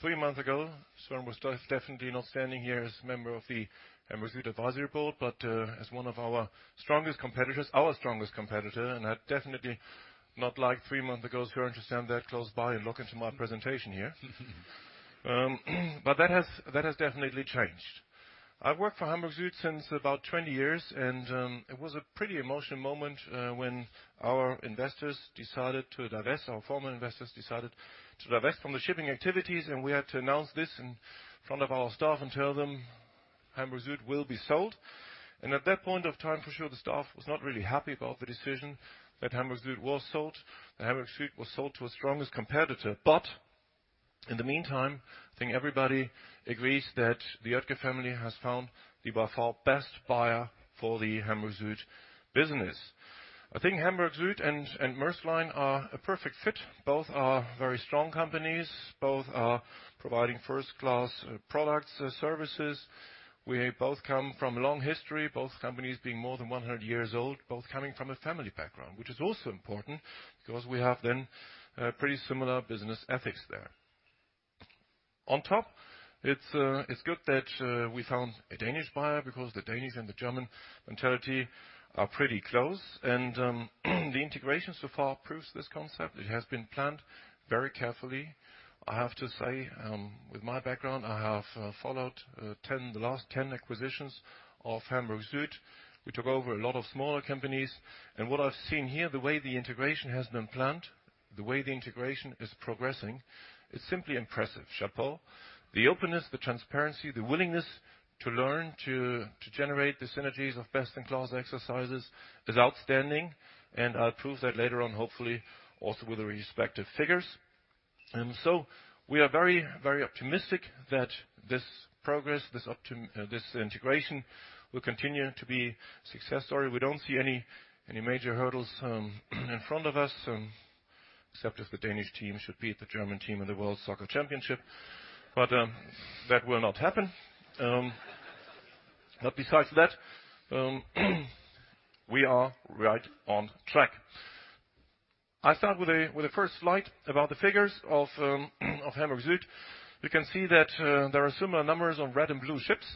Three months ago, Søren Skou was definitely not standing here as a member of the Hamburg Süd advisory board, but as one of our strongest competitors, our strongest competitor, and I'd definitely not like three months ago to stand that close by and look into my presentation here. That has definitely changed. I've worked for Hamburg Süd since about 20 years, and it was a pretty emotional moment when our investors decided to divest, our former investors decided to divest from the shipping activities, and we had to announce this in front of our staff and tell them Hamburg Süd will be sold. At that point of time, for sure, the staff was not really happy about the decision that Hamburg Süd was sold to a strongest competitor. In the meantime, I think everybody agrees that the Oetker family has found the, by far, best buyer for the Hamburg Süd business. I think Hamburg Süd and Maersk Line are a perfect fit. Both are very strong companies. Both are providing first-class products, services. We both come from a long history, both companies being more than 100 years old, both coming from a family background, which is also important because we have then pretty similar business ethics there. On top, it's good that we found a Danish buyer because the Danish and the German mentality are pretty close and the integration so far proves this concept. It has been planned very carefully. I have to say, with my background, I have followed the last 10 acquisitions of Hamburg Süd. We took over a lot of smaller companies, and what I've seen here, the way the integration has been planned, the way the integration is progressing, is simply impressive. Chapeau. The openness, the transparency, the willingness to learn to generate the synergies of best in class exercises is outstanding, and I'll prove that later on, hopefully, also with the respective figures. We are very, very optimistic that this progress, this integration will continue to be a success story. We don't see any major hurdles in front of us, except if the Danish team should beat the German team in the World Soccer Championship, but that will not happen. Besides that, we are right on track. I start with a first slide about the figures of Hamburg Süd. You can see that there are similar numbers on red and blue ships.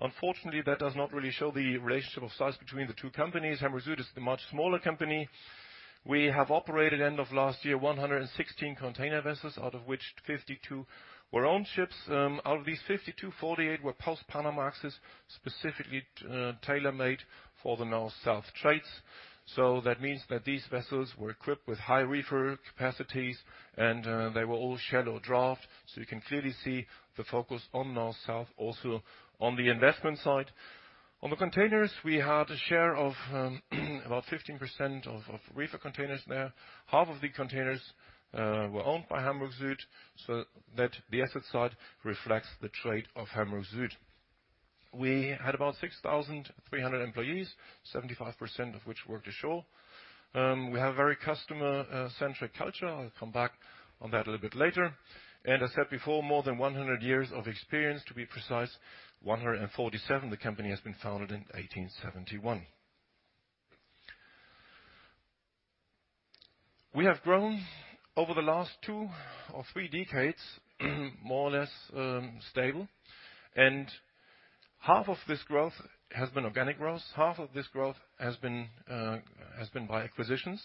Unfortunately, that does not really show the relationship of size between the two companies. Hamburg Süd is the much smaller company. We have operated end of last year 116 container vessels, out of which 52 were owned ships. Out of these 52, 48 were post-Panamax, specifically tailor-made for the North-South trades. That means that these vessels were equipped with high reefer capacities, and they were all shallow draft. You can clearly see the focus on North-South, also on the investment side. On the containers, we had a share of about 15% of reefer containers there. Half of the containers were owned by Hamburg Süd, so that the asset side reflects the trade of Hamburg Süd. We had about 6,300 employees, 75% of which worked ashore. We have very customer-centric culture. I'll come back on that a little bit later. I said before, more than 100 years of experience, to be precise, 147. The company has been founded in 1871. We have grown over the last two or three decades, more or less, stable. Half of this growth has been organic growth, half of this growth has been by acquisitions.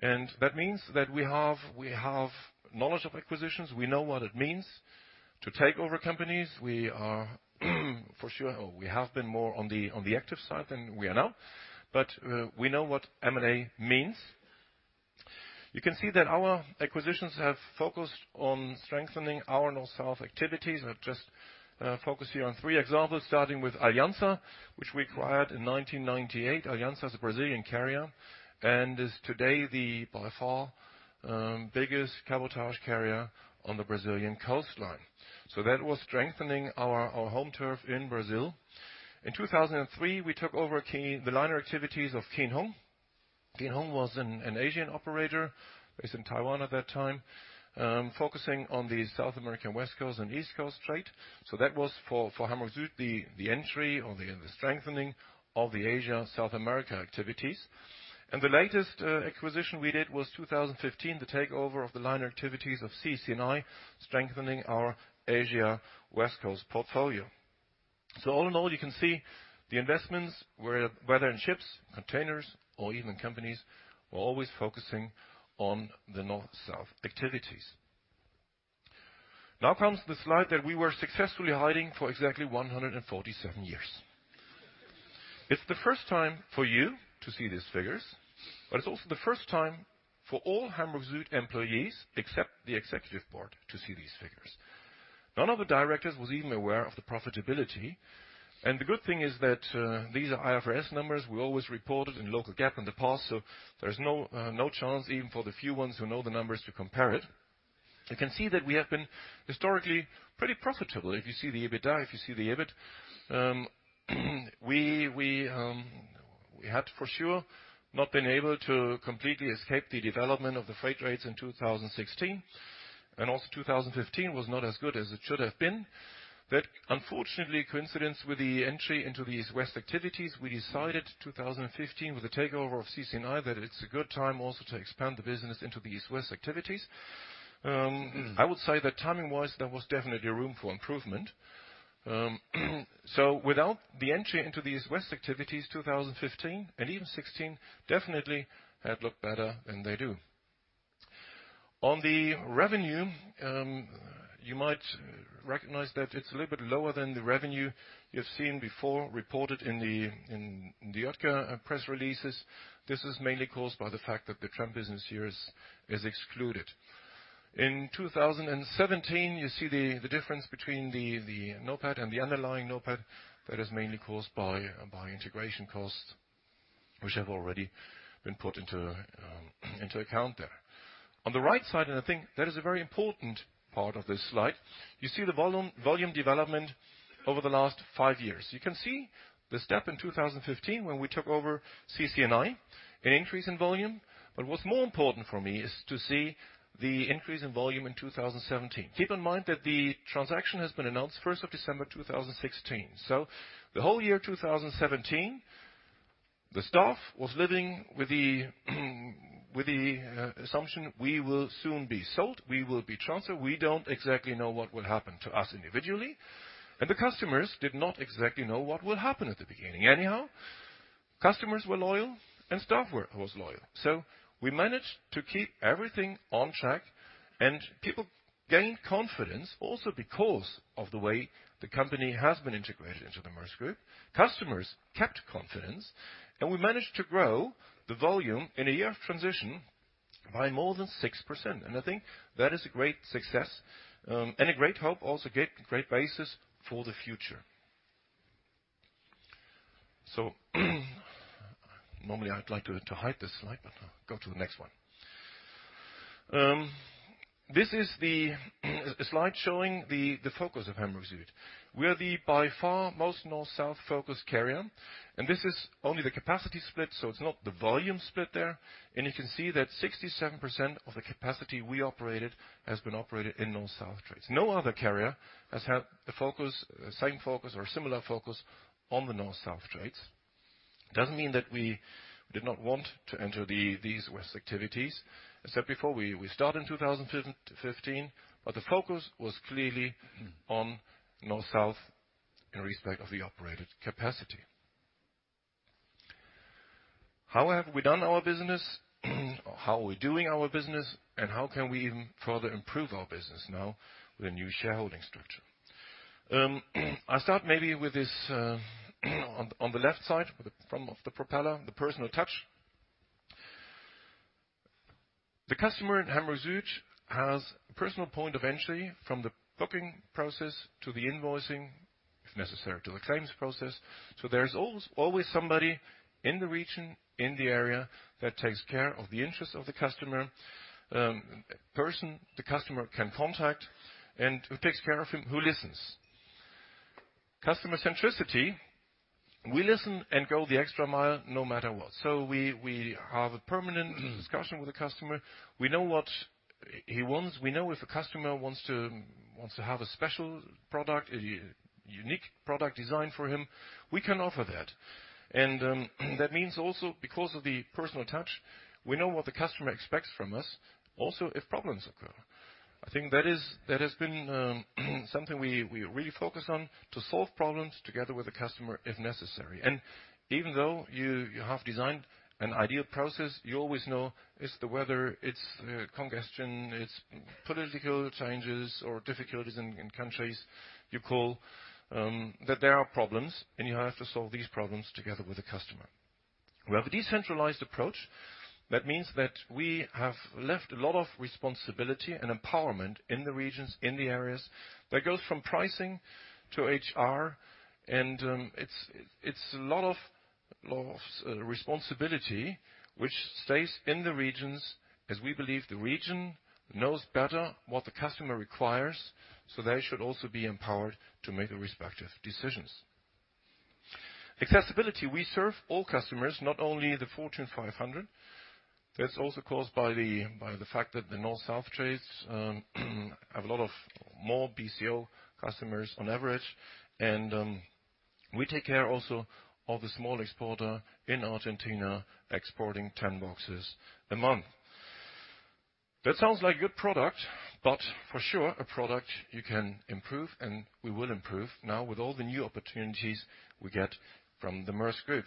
That means that we have knowledge of acquisitions. We know what it means to take over companies. We are for sure, or we have been more on the active side than we are now, but we know what M&A means. You can see that our acquisitions have focused on strengthening our North-South activities. I've just focused here on three examples, starting with Aliança, which we acquired in 1998. Aliança is a Brazilian carrier and is today the by far biggest cabotage carrier on the Brazilian coastline. That was strengthening our home turf in Brazil. In 2003, we took over the liner activities of Kien Hung. Kien Hung was an Asian operator based in Taiwan at that time, focusing on the South American West Coast and East Coast trade. That was for Hamburg Süd the entry or the strengthening of the Asia South America activities. The latest acquisition we did was 2015, the takeover of the liner activities of CCNI, strengthening our Asia West Coast portfolio. All in all, you can see the investments, whether in ships, containers or even companies, were always focusing on the North-South activities. Now comes the slide that we were successfully hiding for exactly 147 years. It's the first time for you to see these figures, but it's also the first time for all Hamburg Süd employees, except the executive board, to see these figures. None of the directors was even aware of the profitability. The good thing is that, these are IFRS numbers. We always reported in local GAAP in the past, so there's no chance even for the few ones who know the numbers, to compare it. You can see that we have been historically pretty profitable. If you see the EBITDA, if you see the EBIT, we had for sure not been able to completely escape the development of the freight rates in 2016. 2015 was not as good as it should have been. Unfortunately, coinciding with the entry into the East-West activities, we decided 2015 with the takeover of CCNI that it's a good time also to expand the business into the East-West activities. I would say that timing-wise, there was definitely room for improvement. Without the entry into the East-West activities, 2015 and even 2016 definitely had looked better than they do. On the revenue, you might recognize that it's a little bit lower than the revenue you've seen before reported in the Oetker press releases. This is mainly caused by the fact that the tramp business here is excluded. In 2017, you see the difference between the NOPAT and the underlying NOPAT. That is mainly caused by integration costs which have already been put into account there. On the right side, I think that is a very important part of this slide, you see the volume development over the last five years. You can see the step in 2015 when we took over CCNI, an increase in volume. What's more important for me is to see the increase in volume in 2017. Keep in mind that the transaction has been announced first of December 2016. The whole year 2017, the staff was living with the assumption we will soon be sold, we will be transferred. We don't exactly know what will happen to us individually. The customers did not exactly know what would happen at the beginning. Anyhow, customers were loyal and staff was loyal. We managed to keep everything on track. People gained confidence also because of the way the company has been integrated into the Maersk Group. Customers kept confidence, and we managed to grow the volume in a year of transition by more than 6%. I think that is a great success, and a great hope also great basis for the future. Normally I'd like to hide this slide, but go to the next one. This is a slide showing the focus of Hamburg Süd. We are by far the most North-South focused carrier, and this is only the capacity split, so it's not the volume split there. You can see that 67% of the capacity we operated has been operated in North-South trades. No other carrier has had the focus, same focus or similar focus on the North-South trades. It doesn't mean that we did not want to enter the East-West activities. I said before we start in 2015, but the focus was clearly on North-South in respect of the operated capacity. How have we done our business? Or how are we doing our business, and how can we even further improve our business now with a new shareholding structure? I start maybe with this, on the left side, with the front of the propeller, the personal touch. The customer in Hamburg Süd has a personal point of entry from the booking process to the invoicing, if necessary, to the claims process. There's always somebody in the region, in the area that takes care of the interests of the customer. A person the customer can contact and who takes care of him, who listens. Customer centricity, we listen and go the extra mile no matter what. We have a permanent discussion with the customer. We know what he wants. We know if a customer wants to have a special product, a unique product designed for him, we can offer that. That means also because of the personal touch, we know what the customer expects from us also if problems occur. I think that has been something we really focus on to solve problems together with the customer if necessary. Even though you have designed an ideal process, you always know it's the weather, it's congestion, it's political changes or difficulties in countries you call that there are problems and you have to solve these problems together with the customer. We have a decentralized approach. That means that we have left a lot of responsibility and empowerment in the regions, in the areas that goes from pricing to HR. It's a lot of responsibility which stays in the regions as we believe the region knows better what the customer requires, so they should also be empowered to make the respective decisions. Accessibility, we serve all customers, not only the Fortune 500. That's also caused by the fact that the North-South trades have a lot of more BCO customers on average. We take care also of the small exporter in Argentina exporting 10 boxes a month. That sounds like good product, but for sure a product you can improve, and we will improve now with all the new opportunities we get from the Maersk Group.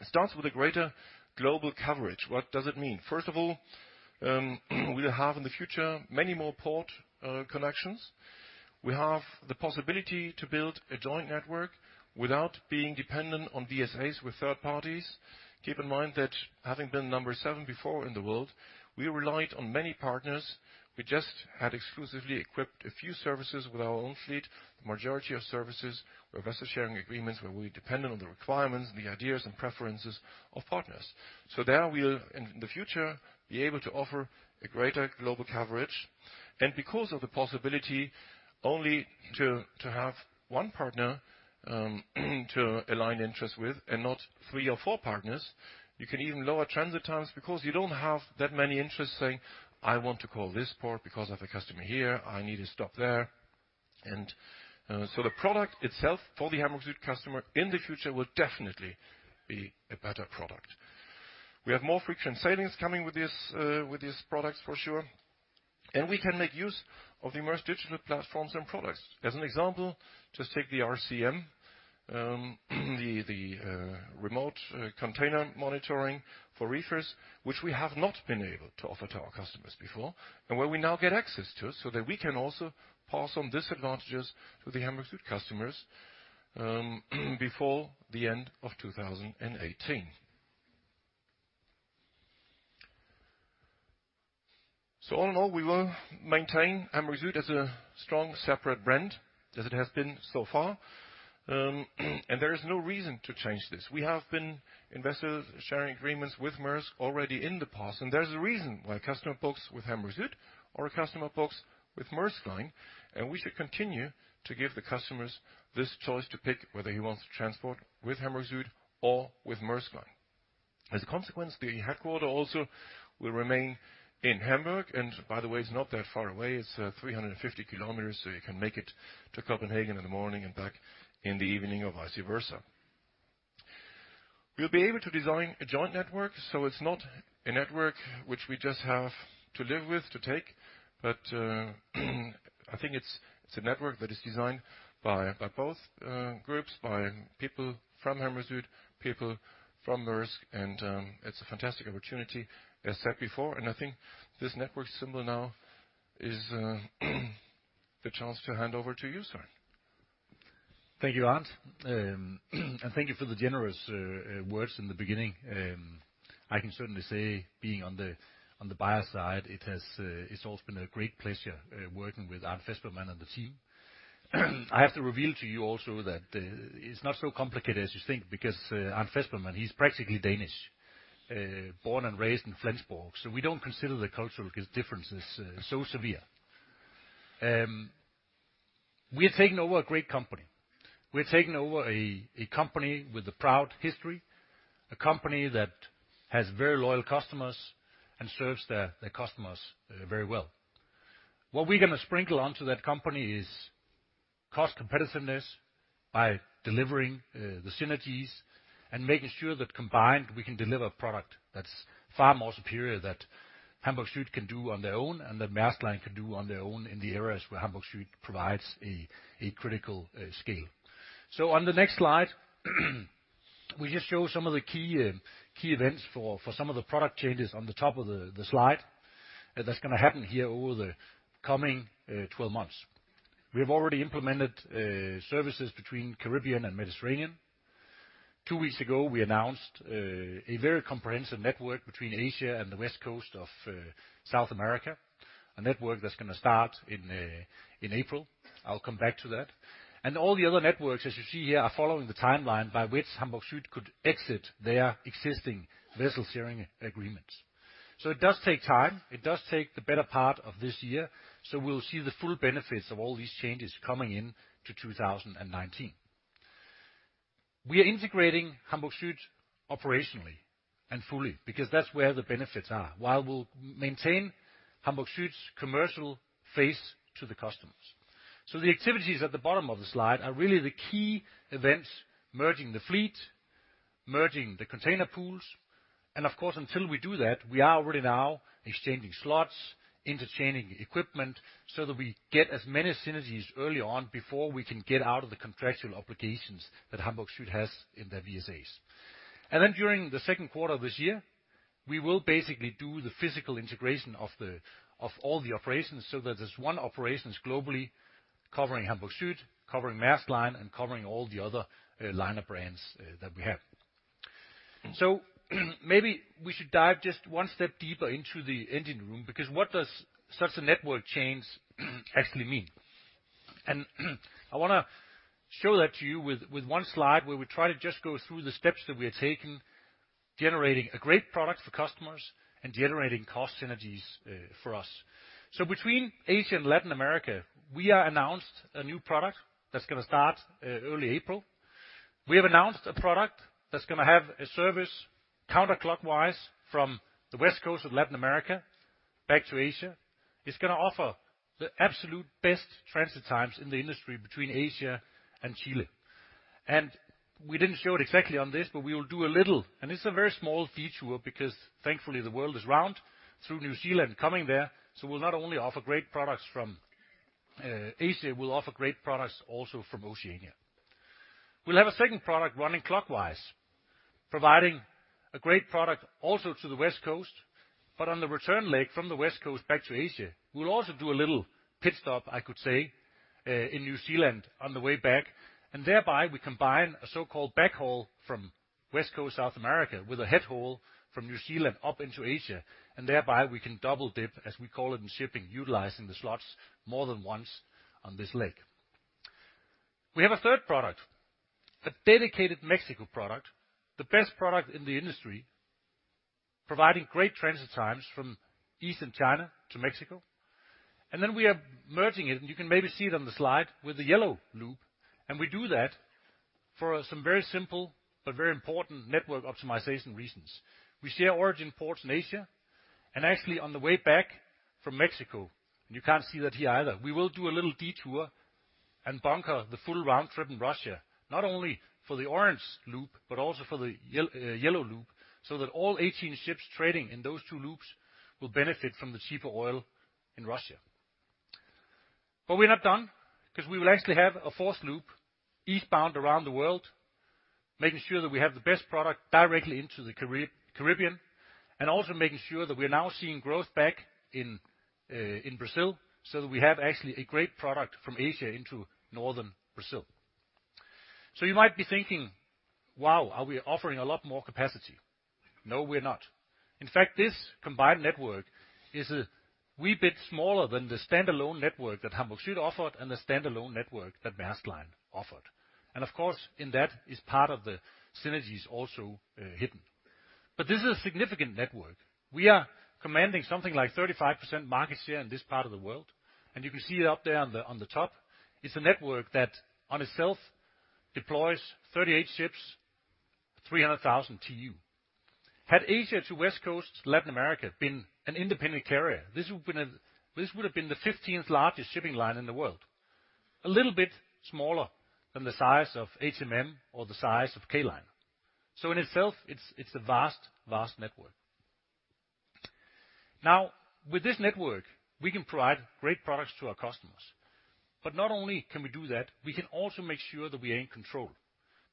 It starts with a greater global coverage. What does it mean? First of all, we'll have in the future many more port connections. We have the possibility to build a joint network without being dependent on VSAs with third parties. Keep in mind that having been number seven before in the world, we relied on many partners. We just had exclusively equipped a few services with our own fleet. The majority of services were vessel sharing agreements, where we depended on the requirements, the ideas and preferences of partners. In the future, there we'll be able to offer a greater global coverage. Because of the possibility only to have one partner to align interest with and not three or four partners, you can even lower transit times because you don't have that many interests saying, "I want to call this port because I have a customer here. I need to stop there." The product itself for the Hamburg Süd customer in the future will definitely be a better product. We have more frequent sailings coming with this product for sure, and we can make use of the Maersk digital platforms and products. As an example, just take the RCM, remote container monitoring for reefers, which we have not been able to offer to our customers before, and where we now get access to, so that we can also pass on these advantages to the Hamburg Süd customers, before the end of 2018. All in all, we will maintain Hamburg Süd as a strong separate brand, as it has been so far. There is no reason to change this. We have been in vessel sharing agreements with Maersk already in the past, and there's a reason why a customer books with Hamburg Süd or a customer books with Maersk Line, and we should continue to give the customers this choice to pick whether he wants to transport with Hamburg Süd or with Maersk Line. As a consequence, the headquarters also will remain in Hamburg, and by the way, it's not that far away. It's 350 km, so you can make it to Copenhagen in the morning and back in the evening or vice versa. We'll be able to design a joint network, so it's not a network which we just have to live with. I think it's a network that is designed by both groups, by people from Hamburg Süd, people from Maersk, and it's a fantastic opportunity, as said before. I think this network symbol now is the chance to hand over to you, Søren. Thank you, Arnt. Thank you for the generous words in the beginning. I can certainly say, being on the buyer side, it's always been a great pleasure working with Arnt Vespermann and the team. I have to reveal to you also that it's not so complicated as you think because Arnt Vespermann, he's practically Danish, born and raised in Flensburg, so we don't consider the cultural differences so severe. We're taking over a great company. We're taking over a company with a proud history, a company that has very loyal customers and serves their customers very well. What we're gonna sprinkle onto that company is cost competitiveness by delivering the synergies and making sure that combined, we can deliver a product that's far more superior that Hamburg Süd can do on their own and that Maersk Line can do on their own in the areas where Hamburg Süd provides a critical scale. On the next slide we just show some of the key events for some of the product changes on the top of the slide that's gonna happen here over the coming twelve months. We have already implemented services between Caribbean and Mediterranean. Two weeks ago, we announced a very comprehensive network between Asia and the west coast of South America, a network that's gonna start in April. I'll come back to that. All the other networks, as you see here, are following the timeline by which Hamburg Süd could exit their existing vessel sharing agreements. It does take time. It does take the better part of this year, so we'll see the full benefits of all these changes coming in to 2019. We are integrating Hamburg Süd operationally and fully because that's where the benefits are, while we'll maintain Hamburg Sud's commercial face to the customers. The activities at the bottom of the slide are really the key events, merging the fleet, merging the container pools, and of course, until we do that, we are already now exchanging slots, interchanging equipment, so that we get as many synergies early on before we can get out of the contractual obligations that Hamburg Süd has in their VSAs. During the second quarter of this year, we will basically do the physical integration of all the operations so that there's one operations globally covering Hamburg Süd, covering Maersk Line, and covering all the other, line of brands, that we have. Maybe we should dive just one step deeper into the engine room, because what does such a network change actually mean? I wanna show that to you with one slide where we try to just go through the steps that we are taking. Generating a great product for customers and generating cost synergies, for us. Between Asia and Latin America, we have announced a new product that's gonna start early April. We have announced a product that's gonna have a service counterclockwise from the west coast of Latin America back to Asia. It's gonna offer the absolute best transit times in the industry between Asia and Chile. We didn't show it exactly on this, but we will do a little, and this is a very small feature because thankfully, the world is round, through New Zealand coming there. We'll not only offer great products from Asia, we'll offer great products also from Oceania. We'll have a second product running clockwise, providing a great product also to the West Coast, but on the return leg from the West Coast back to Asia, we'll also do a little pit stop, I could say, in New Zealand on the way back, and thereby we combine a so-called backhaul from West Coast South America with a head haul from New Zealand up into Asia. Thereby we can double dip, as we call it in shipping, utilizing the slots more than once on this leg. We have a third product, a dedicated Mexico product, the best product in the industry, providing great transit times from eastern China to Mexico. We are merging it, and you can maybe see it on the slide with the yellow loop, and we do that for some very simple but very important network optimization reasons. We share origin ports in Asia and actually on the way back from Mexico, and you can't see that here either, we will do a little detour and bunker the full round trip in Russia, not only for the orange loop but also for the yellow loop, so that all 18 ships trading in those two loops will benefit from the cheaper oil in Russia. We're not done, because we will actually have a fourth loop, eastbound around the world, making sure that we have the best product directly into the Caribbean, and also making sure that we are now seeing growth back in Brazil, so that we have actually a great product from Asia into northern Brazil. You might be thinking, wow, are we offering a lot more capacity? No, we're not. In fact, this combined network is a wee bit smaller than the standalone network that Hamburg Süd offered and the standalone network that Maersk Line offered. Of course, in that is part of the synergies also, hidden. This is a significant network. We are commanding something like 35% market share in this part of the world. You can see it up there on the top. It's a network that in itself deploys 38 ships, 300,000 TEU. Had Asia to West Coast Latin America been an independent carrier, this would have been the 15th largest shipping line in the world. A little bit smaller than the size of HMM or the size of K Line. In itself, it's a vast network. Now, with this network, we can provide great products to our customers. Not only can we do that, we can also make sure that we are in control.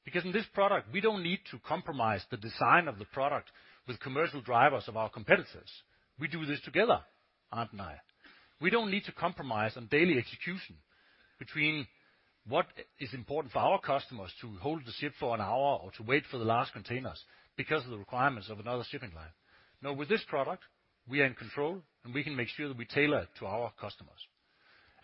Because in this product, we don't need to compromise the design of the product with commercial drivers of our competitors. We do this together, Arnt and I. We don't need to compromise on daily execution between what is important for our customers to hold the ship for an hour or to wait for the last containers because of the requirements of another shipping line. No, with this product, we are in control, and we can make sure that we tailor it to our customers.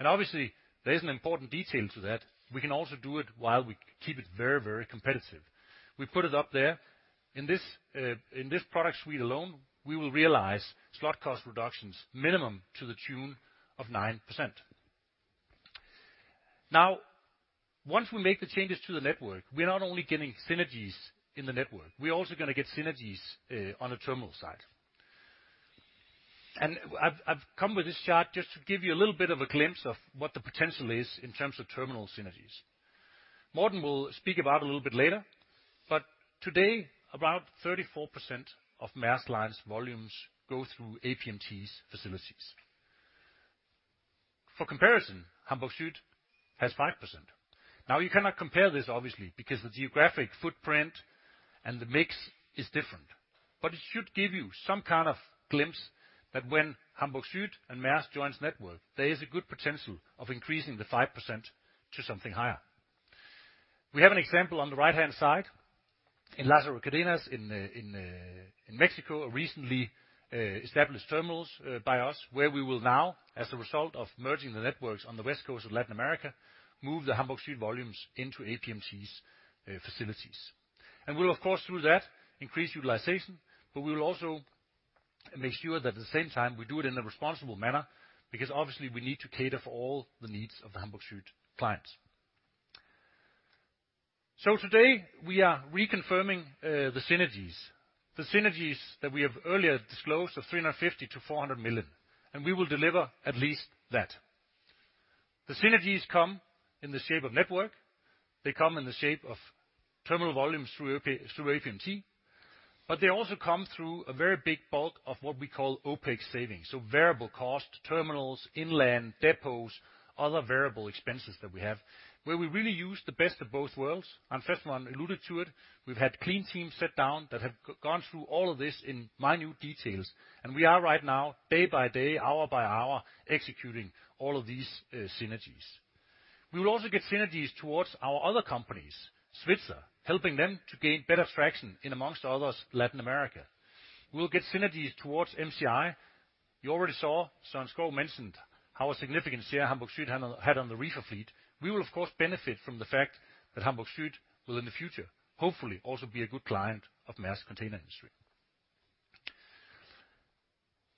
Obviously, there is an important detail to that. We can also do it while we keep it very, very competitive. We put it up there. In this product suite alone, we will realize slot cost reductions minimum to the tune of 9%. Now, once we make the changes to the network, we're not only getting synergies in the network, we're also gonna get synergies on the terminal side. I've come with this chart just to give you a little bit of a glimpse of what the potential is in terms of terminal synergies. Morten will speak about a little bit later, but to date about 34% of Maersk Line's volumes go through APMT's facilities. For comparison, Hamburg Süd has 5%. Now you cannot compare this obviously, because the geographic footprint and the mix is different. It should give you some kind of glimpse that when Hamburg Süd and Maersk joins network, there is a good potential of increasing the 5% to something higher. We have an example on the right-hand side in Lázaro Cárdenas in Mexico, a recently established terminals by us, where we will now, as a result of merging the networks on the west coast of Latin America, move the Hamburg Süd volumes into APMT's facilities. We'll of course through that increase utilization, but we will also make sure that at the same time we do it in a responsible manner because obviously we need to cater for all the needs of the Hamburg Süd clients. Today, we are reconfirming the synergies that we have earlier disclosed of $350 million-$400 million, and we will deliver at least that. The synergies come in the shape of network. They come in the shape of terminal volumes through APMT, but they also come through a very big bulk of what we call OpEx savings. Variable cost, terminals, inland depots, other variable expenses that we have, where we really use the best of both worlds. Arnt Vespermann alluded to it. We've had clean teams sit down that have gone through all of this in minute details, and we are right now, day by day, hour by hour, executing all of these synergies. We will also get synergies towards our other companies, Svitzer, helping them to gain better traction in amongst others, Latin America. We'll get synergies towards MCI. You already saw, Søren Skou mentioned, how a significant share Hamburg Süd had on the reefer fleet. We will, of course, benefit from the fact that Hamburg Süd will, in the future, hopefully, also be a good client of Maersk Container Industry.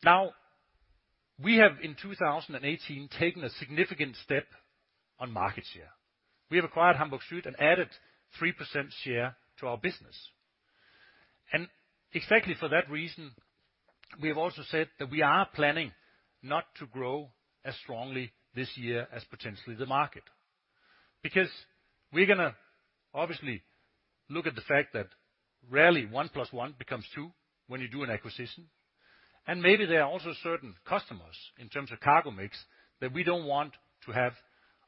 Now, we have, in 2018, taken a significant step on market share. We have acquired Hamburg Süd and added 3% share to our business. Exactly for that reason, we have also said that we are planning not to grow as strongly this year as, potentially, the market. Because we're gonna, obviously, look at the fact that rarely one plus one becomes two when you do an acquisition, and maybe there are also certain customers, in terms of cargo mix, that we don't want to have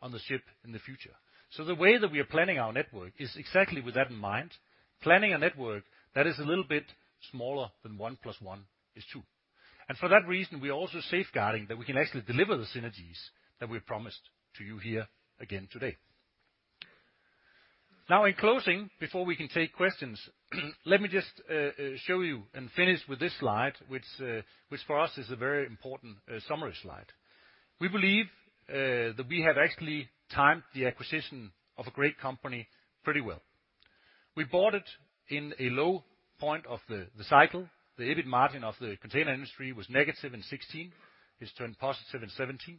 on the ship in the future. The way that we are planning our network is exactly with that in mind, planning a network that is a little bit smaller than one plus one is two. For that reason, we are also safeguarding that we can actually deliver the synergies that we have promised to you here again today. Now, in closing, before we can take questions, let me just show you and finish with this slide, which for us is a very important summary slide. We believe that we have actually timed the acquisition of a great company pretty well. We bought it in a low point of the cycle. The EBIT margin of the container industry was negative in 2016. It's turned positive in 2017.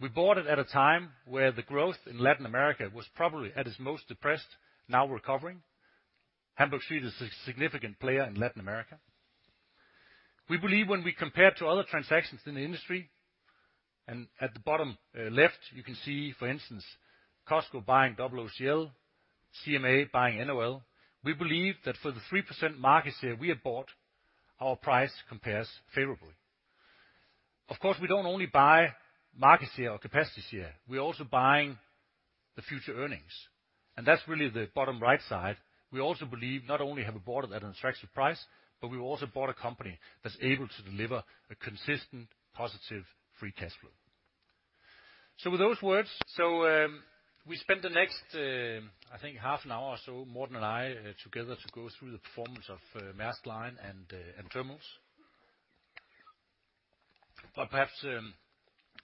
We bought it at a time where the growth in Latin America was probably at its most depressed, now recovering. Hamburg Süd is a significant player in Latin America. We believe when we compare to other transactions in the industry, and at the bottom, left, you can see, for instance, COSCO buying OOCL, CMA buying NOL. We believe that for the 3% market share we have bought, our price compares favorably. Of course, we don't only buy market share or capacity share, we're also buying the future earnings, and that's really the bottom right side. We also believe not only have we bought it at an attractive price, but we've also bought a company that's able to deliver a consistent positive free cash flow. With those words, we spend the next, I think half an hour or so, Morten and I together to go through the performance of Maersk Line and Terminals. Perhaps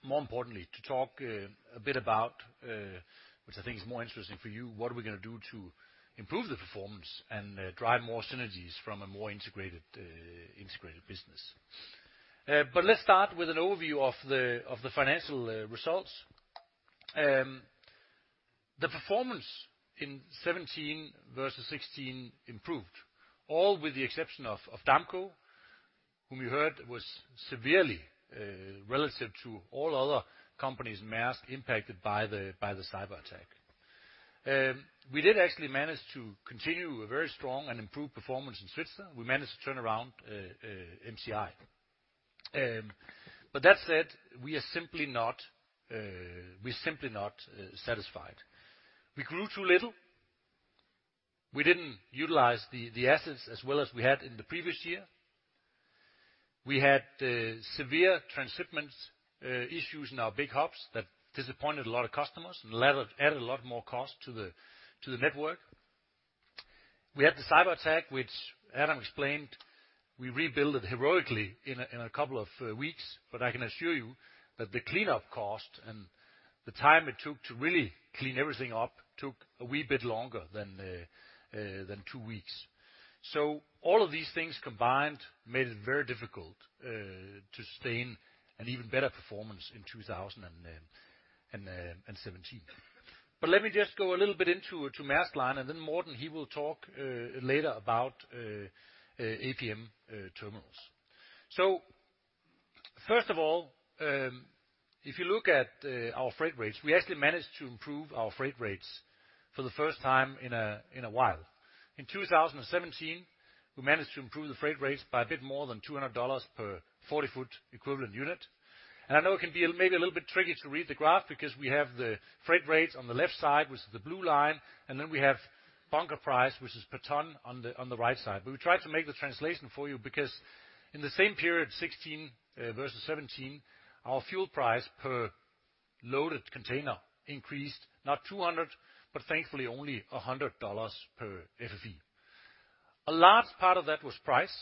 more importantly, to talk a bit about which I think is more interesting for you, what are we gonna do to improve the performance and drive more synergies from a more integrated business. Let's start with an overview of the financial results. The performance in 2017 versus 2016 improved, all with the exception of Damco, whom you heard was severely relative to all other companies in Maersk, impacted by the cyber attack. We did actually manage to continue a very strong and improved performance in Svitzer. We managed to turn around MCI. That said, we're simply not satisfied. We grew too little. We didn't utilize the assets as well as we had in the previous year. We had severe transshipment issues in our big hubs that disappointed a lot of customers and added a lot more cost to the network. We had the cyber attack, which Adam explained. We rebuilt it heroically in a couple of weeks, but I can assure you that the cleanup cost and the time it took to really clean everything up took a wee bit longer than two weeks. All of these things combined made it very difficult to sustain an even better performance in 2017. Let me just go a little bit into Maersk Line, and then Morten will talk later about APM Terminals. First of all, if you look at our freight rates, we actually managed to improve our freight rates for the first time in a while. In 2017, we managed to improve the freight rates by a bit more than $200 per forty foot equivalent unit. I know it can be a maybe a little bit tricky to read the graph because we have the freight rates on the left side, which is the blue line, and then we have bunker price, which is per ton, on the right side. We tried to make the translation for you because in the same period, 2016 versus 2017, our fuel price per loaded container increased not $200, but thankfully only $100 per FEU. A large part of that was price,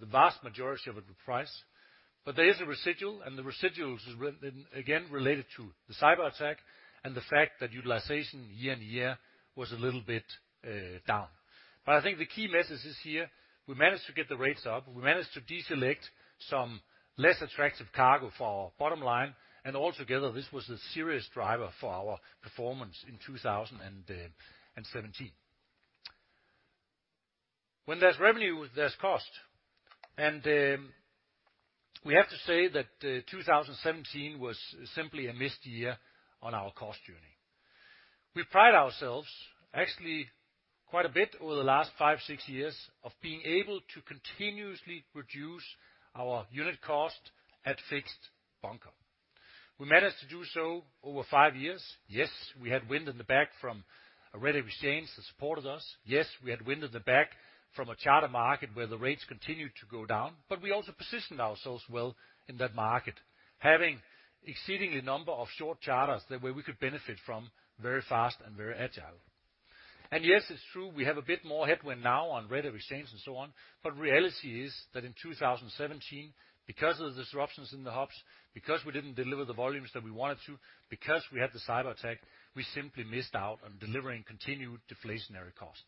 the vast majority of it was price, but there is a residual, and the residual is again related to the cyber attack and the fact that utilization year-on-year was a little bit down. I think the key message is here, we managed to get the rates up. We managed to deselect some less attractive cargo for our bottom line, and altogether, this was a serious driver for our performance in 2017. When there's revenue, there's cost, and we have to say that 2017 was simply a missed year on our cost journey. We pride ourselves actually quite a bit over the last five, six years of being able to continuously reduce our unit cost at fixed bunker. We managed to do so over five years. Yes, we had wind in the back from a currency exchange that supported us. Yes, we had wind in the back from a charter market where the rates continued to go down, but we also positioned ourselves well in that market, having exceeding number of short charters where we could benefit from very fast and very agile. Yes, it's true, we have a bit more headwind now on exchange rate and so on. Reality is that in 2017, because of the disruptions in the hubs, because we didn't deliver the volumes that we wanted to, because we had the cyberattack, we simply missed out on delivering continued deflationary cost.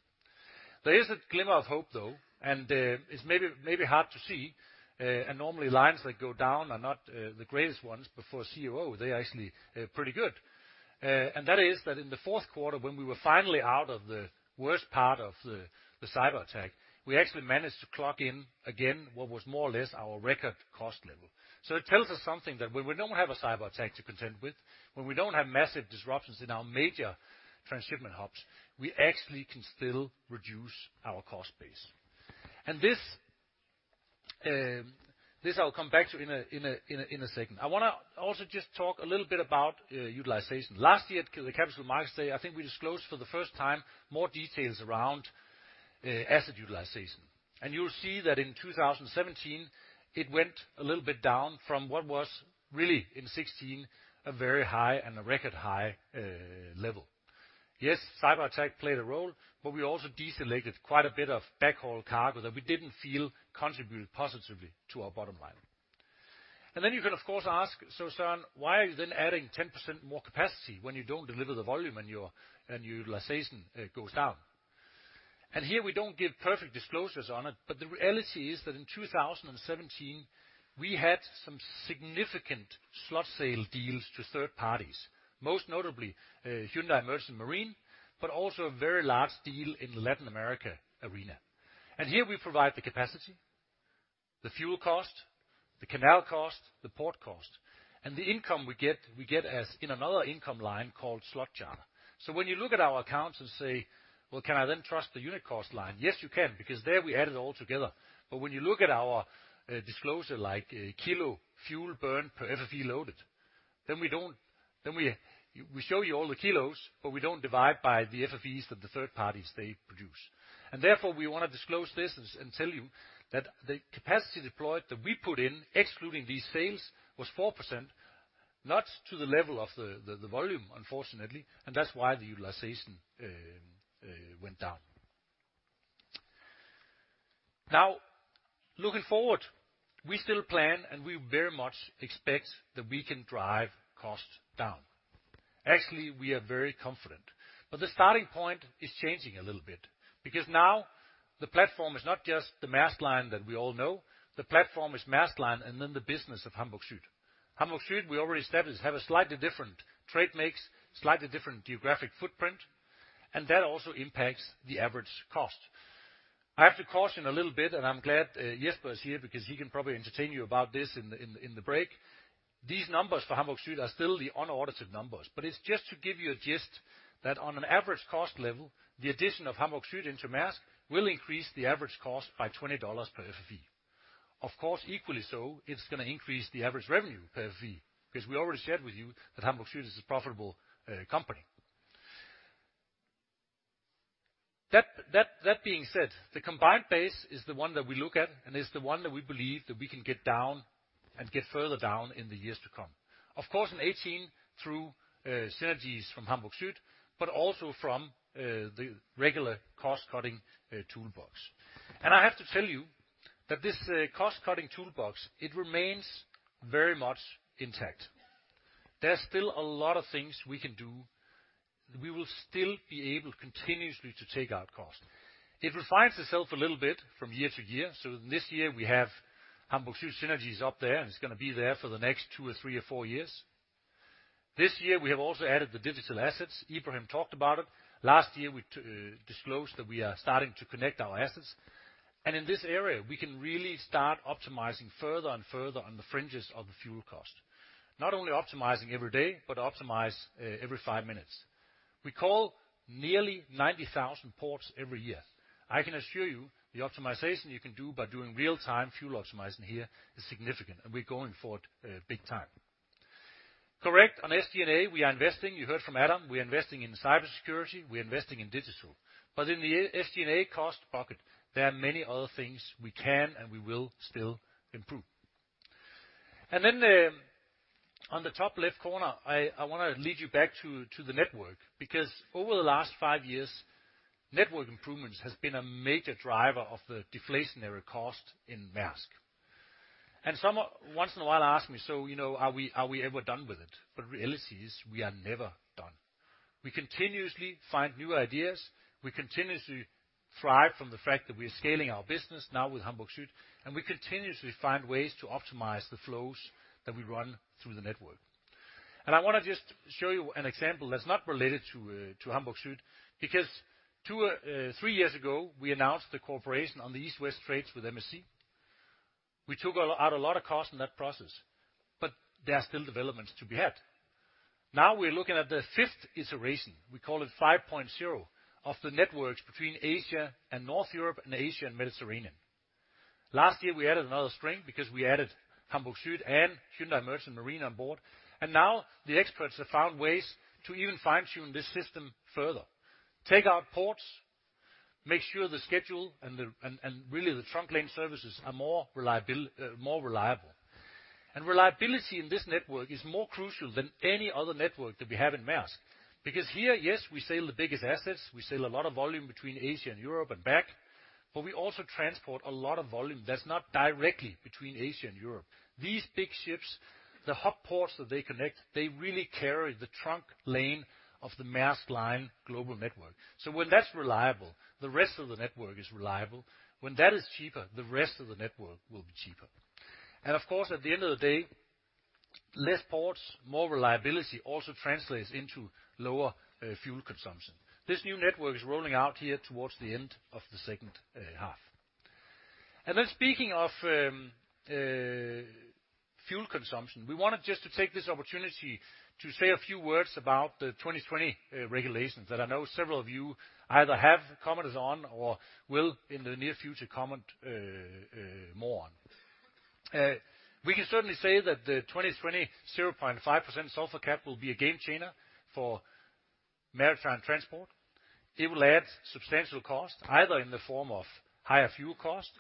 There is a glimmer of hope, though, and it's maybe hard to see, and normally lines that go down are not the greatest ones, but for COO, they are actually pretty good. That is that in the fourth quarter, when we were finally out of the worst part of the cyberattack, we actually managed to clock in again what was more or less our record cost level. It tells us something that when we don't have a cyberattack to contend with, when we don't have massive disruptions in our major transshipment hubs, we actually can still reduce our cost base. This I'll come back to in a second. I wanna also just talk a little bit about utilization. Last year at the capital markets day, I think we disclosed for the first time more details around asset utilization. You'll see that in 2017, it went a little bit down from what was really, in 2016, a very high and a record high level. Yes, cyberattack played a role, but we also deselected quite a bit of backhaul cargo that we didn't feel contributed positively to our bottom line. Then you can, of course, ask, "So Søren, why are you then adding 10% more capacity when you don't deliver the volume and your utilization goes down?" Here we don't give perfect disclosures on it, but the reality is that in 2017, we had some significant slot sale deals to third parties, most notably, Hyundai Merchant Marine, but also a very large deal in Latin America arena. Here we provide the capacity, the fuel cost, the canal cost, the port cost, and the income we get as in another income line called slot charter. When you look at our accounts and say, "Well, can I then trust the unit cost line?" Yes, you can, because there we add it all together. When you look at our disclosure, like kilo fuel burn per FFE loaded, we show you all the kilos, but we don't divide by the FFEs that the third parties they produce. Therefore, we wanna disclose this and tell you that the capacity deployed that we put in, excluding these sales, was 4%, not to the level of the volume, unfortunately, and that's why the utilization went down. Now, looking forward, we still plan, and we very much expect that we can drive costs down. Actually, we are very confident. The starting point is changing a little bit because now the platform is not just the Maersk Line that we all know. The platform is Maersk Line and then the business of Hamburg Süd. Hamburg Süd, we already established, have a slightly different trade mix, slightly different geographic footprint, and that also impacts the average cost. I have to caution a little bit, and I'm glad, Jesper is here because he can probably entertain you about this in the break. These numbers for Hamburg Süd are still the unaudited numbers, but it's just to give you a gist that on an average cost level, the addition of Hamburg Süd into Maersk will increase the average cost by $20 per FFE. Of course, equally so, it's gonna increase the average revenue per FFE, because we already shared with you that Hamburg Süd is a profitable company. That being said, the combined base is the one that we look at, and it's the one that we believe that we can get down and get further down in the years to come. Of course, in 2018, through synergies from Hamburg Süd, but also from the regular cost-cutting toolbox. I have to tell you that this cost-cutting toolbox, it remains very much intact. There are still a lot of things we can do. We will still be able continuously to take out cost. It refines itself a little bit from year to year, so this year we have Hamburg Süd synergies up there, and it's gonna be there for the next two or three or four years. This year, we have also added the digital assets. Adam Banks talked about it. Last year, we disclosed that we are starting to connect our assets. In this area, we can really start optimizing further and further on the fringes of the fuel cost. Not only optimizing every day, but optimize every five minutes. We call nearly 90,000 ports every year. I can assure you the optimization you can do by doing real-time fuel optimizing here is significant, and we're going for it big time. Correct, on SD&A, we are investing. You heard from Adam, we are investing in cybersecurity, we're investing in digital. But in the SD&A cost bucket, there are many other things we can and we will still improve. On the top left corner, I wanna lead you back to the network, because over the last five years, network improvements has been a major driver of the deflationary cost in Maersk. Once in a while ask me, "So, you know, are we ever done with it?" Reality is, we are never done. We continuously find new ideas. We continuously thrive from the fact that we are scaling our business now with Hamburg Süd, and we continuously find ways to optimize the flows that we run through the network. I wanna just show you an example that's not related to Hamburg Süd, because two, three years ago, we announced the cooperation on the East-West trades with MSC. We took out a lot of cost in that process, but there are still developments to be had. Now we're looking at the fifth iteration, we call it five point zero, of the networks between Asia and North Europe and Asia and Mediterranean. Last year, we added another string because we added Hamburg Süd and Hyundai Merchant Marine on board, and now the experts have found ways to even fine-tune this system further. Make sure the schedule and really the trunk lane services are more reliable. Reliability in this network is more crucial than any other network that we have in Maersk. Because here, yes, we sail the biggest assets, we sail a lot of volume between Asia and Europe and back, but we also transport a lot of volume that's not directly between Asia and Europe. These big ships, the hub ports that they connect, they really carry the trunk lane of the Maersk Line global network. When that's reliable, the rest of the network is reliable. When that is cheaper, the rest of the network will be cheaper. Of course, at the end of the day, less ports, more reliability also translates into lower fuel consumption. This new network is rolling out here towards the end of the second half. Speaking of fuel consumption, we wanted just to take this opportunity to say a few words about the 2020 regulations that I know several of you either have commented on or will in the near future comment more on. We can certainly say that the 2020 0.5% sulfur cap will be a game changer for maritime transport. It will add substantial cost, either in the form of higher fuel cost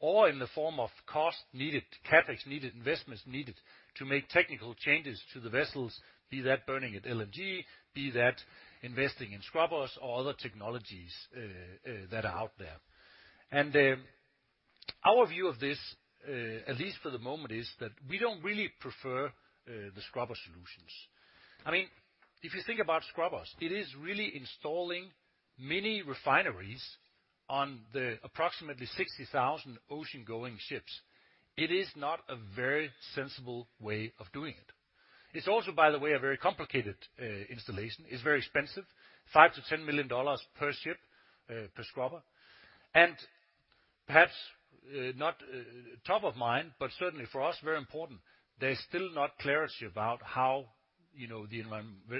or in the form of cost needed, CapEx needed, investments needed to make technical changes to the vessels, be that burning at LNG, be that investing in scrubbers or other technologies, that are out there. Our view of this, at least for the moment, is that we don't really prefer the scrubber solutions. I mean, if you think about scrubbers, it is really installing mini refineries on the approximately 60,000 ocean-going ships. It is not a very sensible way of doing it. It's also, by the way, a very complicated installation. It's very expensive, $5 million-$10 million per ship per scrubber. Perhaps, not top of mind, but certainly for us, very important, there's still no clarity about how, you know, the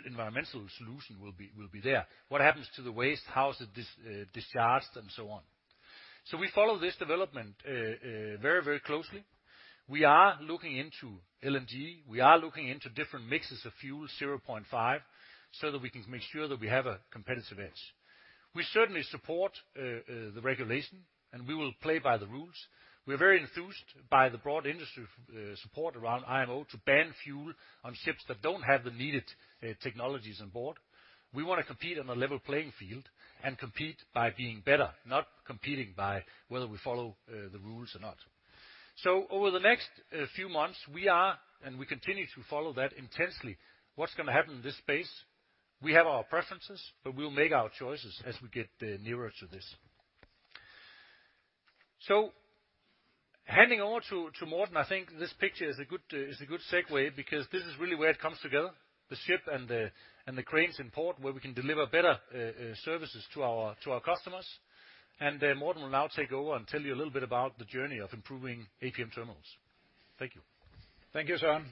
environmental solution will be there. What happens to the waste? How is it discharged, and so on. We follow this development very closely. We are looking into LNG. We are looking into different mixes of fuel, 0.5, so that we can make sure that we have a competitive edge. We certainly support the regulation, and we will play by the rules. We're very enthused by the broad industry support around IMO to ban fuel on ships that don't have the needed technologies on board. We wanna compete on a level playing field and compete by being better, not competing by whether we follow the rules or not. Over the next few months, we continue to follow that intensely, what's gonna happen in this space. We have our preferences, but we'll make our choices as we get nearer to this. Handing over to Morten, I think this picture is a good segue because this is really where it comes together, the ship and the cranes in port, where we can deliver better services to our customers. Morten will now take over and tell you a little bit about the journey of improving APM Terminals. Thank you. Thank you, Søren.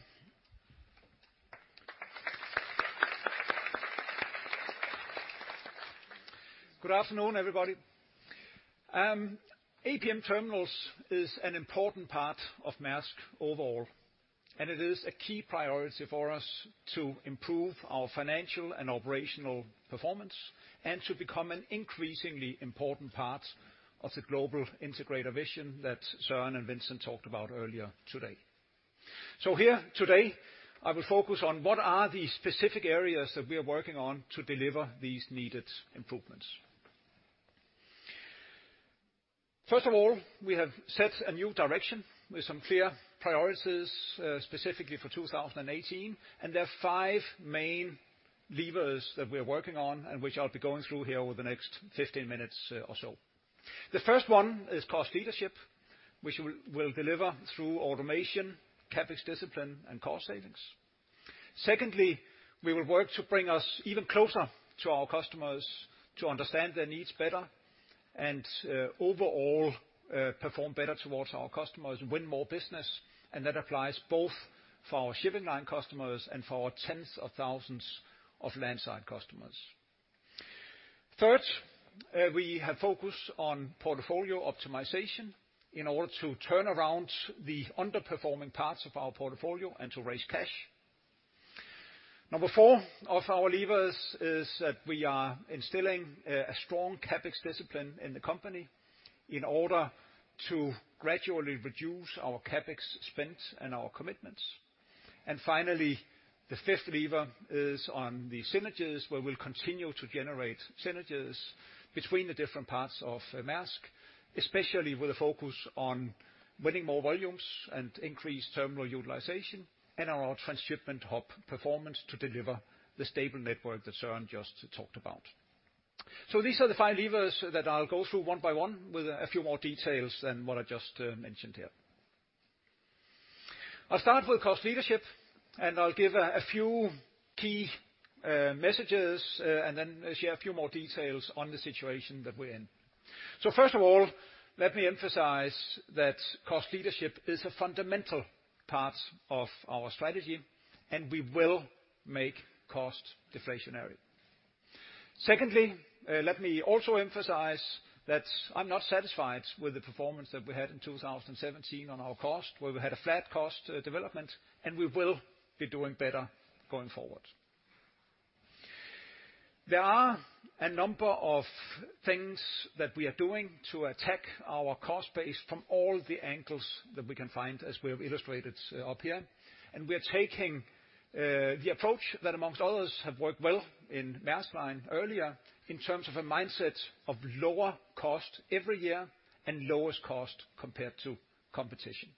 Good afternoon, everybody. APM Terminals is an important part of Maersk overall, and it is a key priority for us to improve our financial and operational performance and to become an increasingly important part of the global integrator vision that Søren and Vincent talked about earlier today. Here today, I will focus on what are the specific areas that we are working on to deliver these needed improvements. First of all, we have set a new direction with some clear priorities, specifically for 2018, and there are five main levers that we are working on and which I'll be going through here over the next 15 minutes or so. The first one is cost leadership, which we'll deliver through automation, CapEx discipline, and cost savings. Secondly, we will work to bring us even closer to our customers to understand their needs better and, overall, perform better towards our customers, win more business, and that applies both for our shipping line customers and for our tens of thousands of landside customers. Third, we have focused on portfolio optimization in order to turn around the underperforming parts of our portfolio and to raise cash. Number four of our levers is that we are instilling a strong CapEx discipline in the company in order to gradually reduce our CapEx spend and our commitments. Finally, the fifth lever is on the synergies, where we'll continue to generate synergies between the different parts of Maersk, especially with a focus on winning more volumes and increased terminal utilization and our transshipment hub performance to deliver the stable network that Søren just talked about. These are the five levers that I'll go through one by one with a few more details than what I just mentioned here. I'll start with cost leadership, and I'll give a few key messages and then share a few more details on the situation that we're in. First of all, let me emphasize that cost leadership is a fundamental part of our strategy, and we will make cost deflationary. Secondly, let me also emphasize that I'm not satisfied with the performance that we had in 2017 on our cost, where we had a flat cost development, and we will be doing better going forward. There are a number of things that we are doing to attack our cost base from all the angles that we can find, as we have illustrated up here. We are taking the approach that among others have worked well in Maersk Line earlier, in terms of a mindset of lower cost every year and lowest cost compared to competition.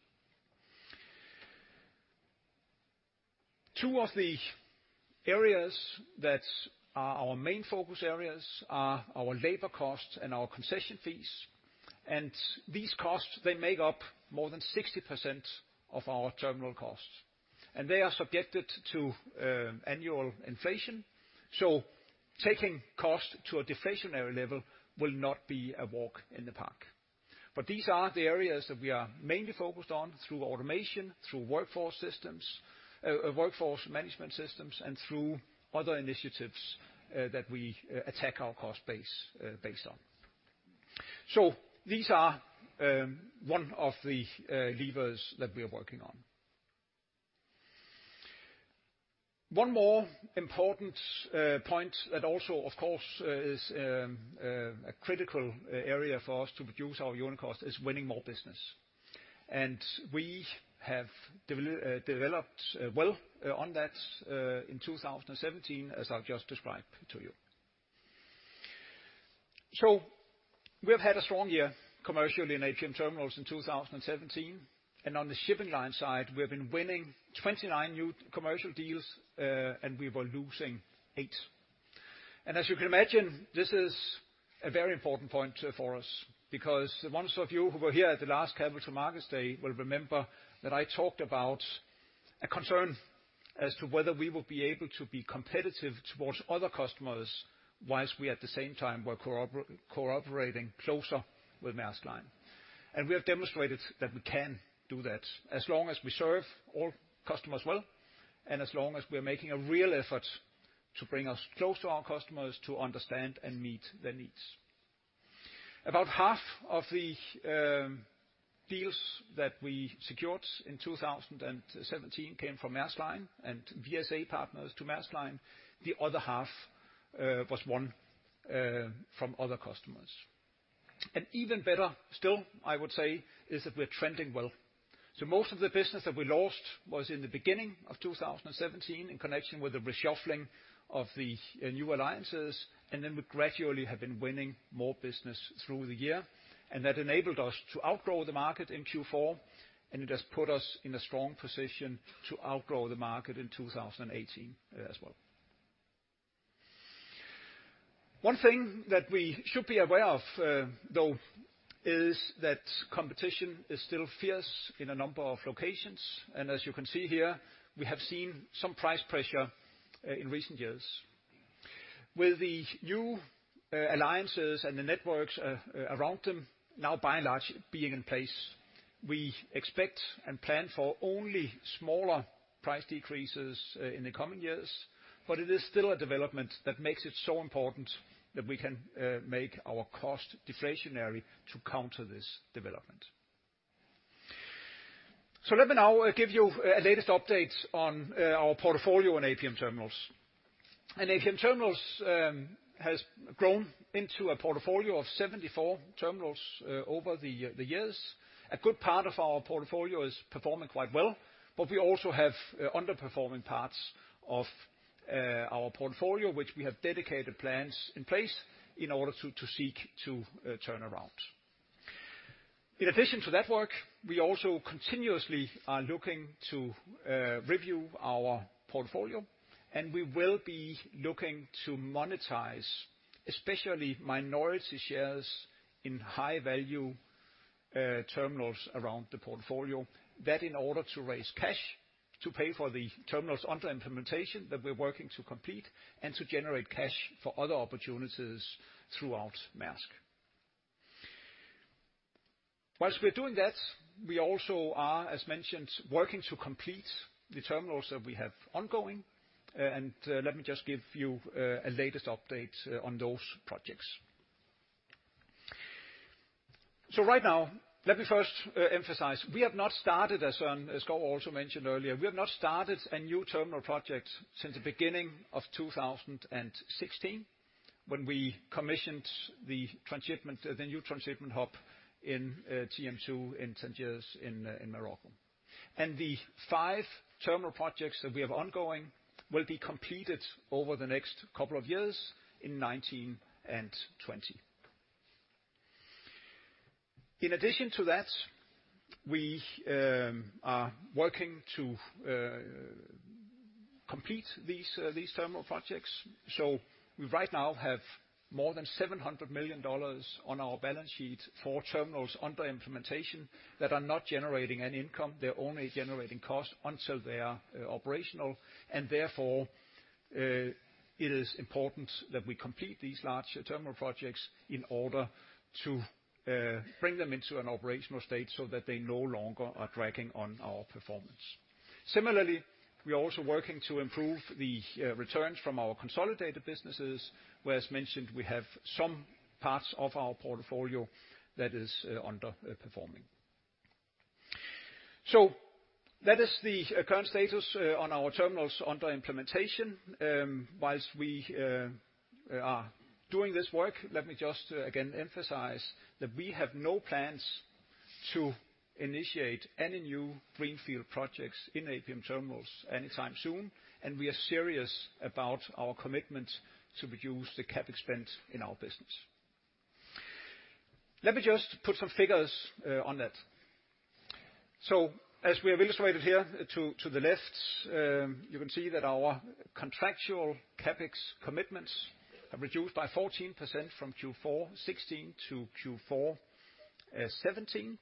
Two of the areas that are our main focus areas are our labor costs and our concession fees. These costs make up more than 60% of our terminal costs, and they are subjected to annual inflation. Taking costs to a deflationary level will not be a walk in the park. These are the areas that we are mainly focused on through automation, through workforce management systems, and through other initiatives that we attack our cost base based on. These are one of the levers that we are working on. One more important point that also, of course, is a critical area for us to reduce our unit cost is winning more business. We have developed well on that in 2017, as I've just described to you. We've had a strong year commercially in APM Terminals in 2017. On the shipping line side, we have been winning 29 new commercial deals, and we were losing eight. As you can imagine, this is a very important point for us, because the ones of you who were here at the last Capital Markets Day will remember that I talked about a concern as to whether we will be able to be competitive towards other customers whilst we, at the same time, were cooperating closer with Maersk Line. We have demonstrated that we can do that as long as we serve all customers well, and as long as we are making a real effort to bring us close to our customers to understand and meet their needs. About half of the deals that we secured in 2017 came from Maersk Line and VSA partners to Maersk Line. The other half was won from other customers. Even better still, I would say, is that we're trending well. Most of the business that we lost was in the beginning of 2017 in connection with the reshuffling of the new alliances, and then we gradually have been winning more business through the year. That enabled us to outgrow the market in Q4, and it has put us in a strong position to outgrow the market in 2018 as well. One thing that we should be aware of, though, is that competition is still fierce in a number of locations. As you can see here, we have seen some price pressure in recent years. With the new alliances and the networks around them now by and large being in place, we expect and plan for only smaller price decreases in the coming years. It is still a development that makes it so important that we can make our cost deflationary to counter this development. Let me now give you a latest update on our portfolio in APM Terminals. APM Terminals has grown into a portfolio of 74 terminals over the years. A good part of our portfolio is performing quite well, but we also have underperforming parts of our portfolio, which we have dedicated plans in place in order to seek to turn around. In addition to that work, we also continuously are looking to review our portfolio, and we will be looking to monetize, especially minority shares in high value terminals around the portfolio. That, in order to raise cash to pay for the terminals under implementation that we're working to complete and to generate cash for other opportunities throughout Maersk. While we're doing that, we also are, as mentioned, working to complete the terminals that we have ongoing. Let me just give you a latest update on those projects. Right now, let me first emphasize, we have not started as Søren Skou also mentioned earlier, we have not started a new terminal project since the beginning of 2016, when we commissioned the new transshipment hub in TM2 in Tangier, in Morocco. The five terminal projects that we have ongoing will be completed over the next couple of years in 2019 and 2020. In addition to that, we are working to complete these terminal projects. Right now we have more than $700 million on our balance sheet for terminals under implementation that are not generating an income. They are only generating costs until they are operational. Therefore, it is important that we complete these large terminal projects in order to bring them into an operational state so that they no longer are dragging on our performance. Similarly, we are also working to improve the returns from our consolidated businesses, where, as mentioned, we have some parts of our portfolio that is underperforming. That is the current status on our terminals under implementation. While we are doing this work, let me just again emphasize that we have no plans to initiate any new greenfield projects in APM Terminals anytime soon, and we are serious about our commitment to reduce the CapEx spend in our business. Let me just put some figures on that. As we have illustrated here to the left, you can see that our contractual CapEx commitments have reduced by 14% from Q4 2016 to Q4 2017.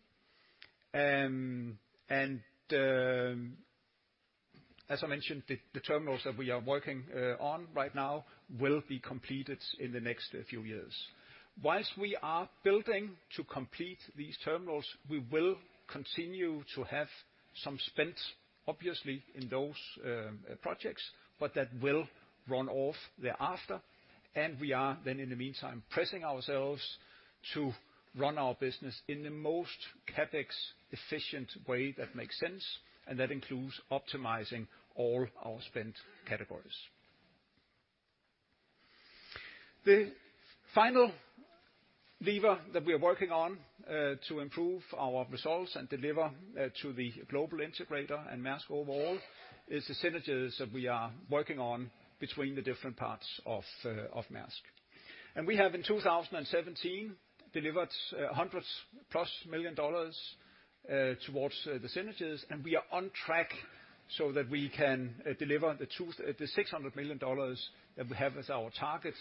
As I mentioned, the terminals that we are working on right now will be completed in the next few years. While we are building to complete these terminals, we will continue to have some spend, obviously, in those projects, but that will run off thereafter. We are then, in the meantime, pushing ourselves to run our business in the most CapEx efficient way that makes sense, and that includes optimizing all our spend categories. The final lever that we are working on to improve our results and deliver to the global integrator and Maersk overall is the synergies that we are working on between the different parts of Maersk. We have in 2017 delivered $100+ million towards the synergies, and we are on track so that we can deliver the $600 million that we have as our target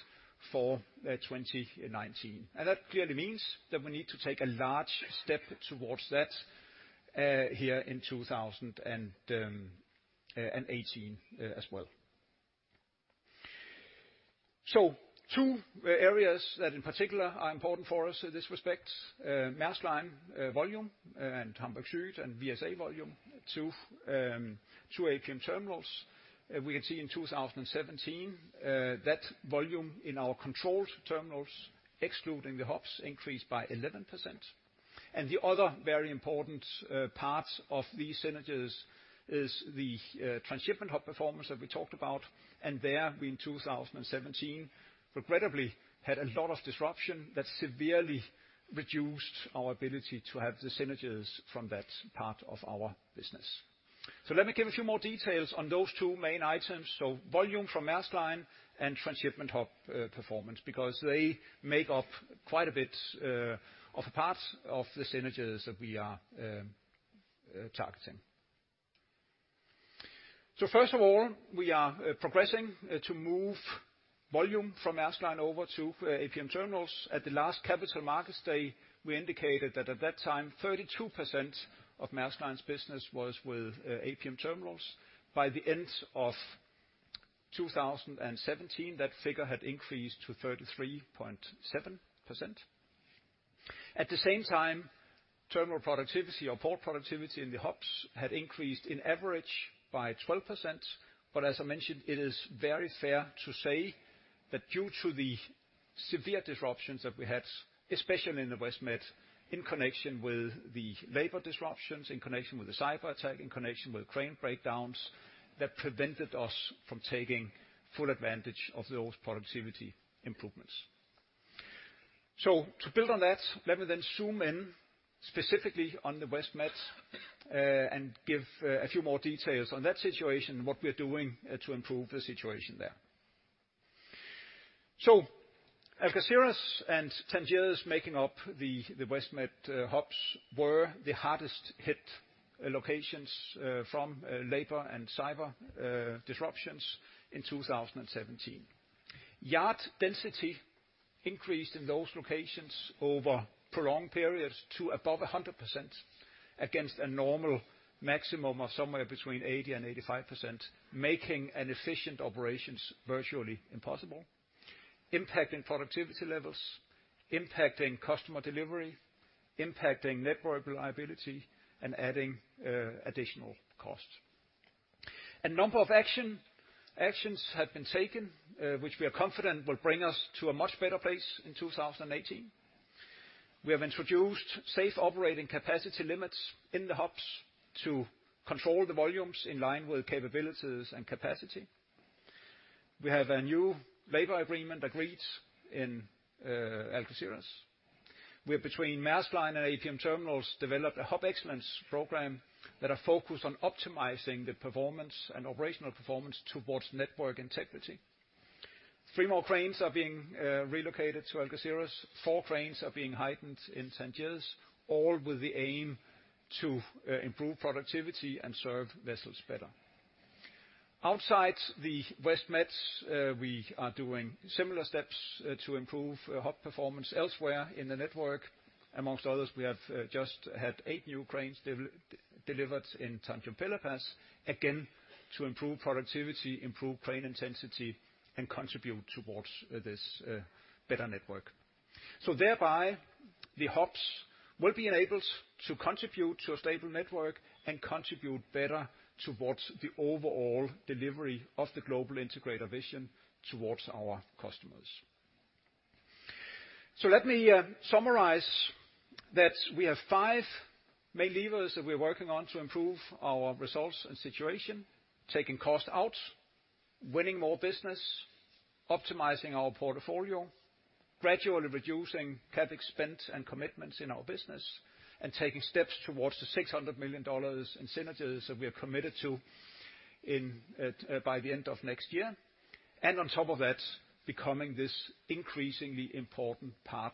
for 2019. That clearly means that we need to take a large step towards that here in 2018 as well. Two areas that in particular are important for us in this respect, Maersk Line volume and Hamburg Süd and VSA volume to APM Terminals. We can see in 2017 that volume in our controlled terminals, excluding the hubs, increased by 11%. The other very important part of these synergies is the transshipment hub performance that we talked about, and there in 2017, regrettably, had a lot of disruption that severely reduced our ability to have the synergies from that part of our business. Let me give a few more details on those two main items. Volume from Maersk Line and transshipment hub performance, because they make up quite a bit of a part of the synergies that we are targeting. First of all, we are progressing to move volume from Maersk Line over to APM Terminals. At the last Capital Markets Day, we indicated that at that time, 32% of Maersk Line's business was with APM Terminals. By the end of 2017, that figure had increased to 33.7%. At the same time, terminal productivity or port productivity in the hubs had increased in average by 12%. As I mentioned, it is very fair to say that due to the severe disruptions that we had, especially in the WestMed, in connection with the labor disruptions, in connection with the cyberattack, in connection with crane breakdowns, that prevented us from taking full advantage of those productivity improvements. To build on that, let me then zoom in specifically on the WestMed and give a few more details on that situation, what we're doing to improve the situation there. Algeciras and Tangier making up the WestMed hubs were the hardest hit locations from labor and cyber disruptions in 2017. Yard density increased in those locations over prolonged periods to above 100% against a normal maximum of somewhere between 80% and 85%, making efficient operations virtually impossible, impacting productivity levels, impacting customer delivery, impacting network reliability, and adding additional costs. A number of actions have been taken, which we are confident will bring us to a much better place in 2018. We have introduced safe operating capacity limits in the hubs to control the volumes in line with capabilities and capacity. We have a new labor agreement agreed in Algeciras. We have, between Maersk Line and APM Terminals, developed a Hub Excellence program that are focused on optimizing the performance and operational performance towards network integrity. Three more cranes are being relocated to Algeciras, four cranes are being heightened in Tangier, all with the aim to improve productivity and serve vessels better. Outside the West Meds, we are doing similar steps to improve hub performance elsewhere in the network. Amongst others, we have just had eight new cranes delivered in Tanjung Pelepas, again, to improve productivity, improve crane intensity, and contribute towards this better network. Thereby, the hubs will be enabled to contribute to a stable network and contribute better towards the overall delivery of the global integrator vision towards our customers. Let me summarize that we have five main levers that we're working on to improve our results and situation. Taking cost out, winning more business, optimizing our portfolio, gradually reducing CapEx spend and commitments in our business, and taking steps towards the $600 million in synergies that we are committed to in, by the end of next year. On top of that, becoming this increasingly important part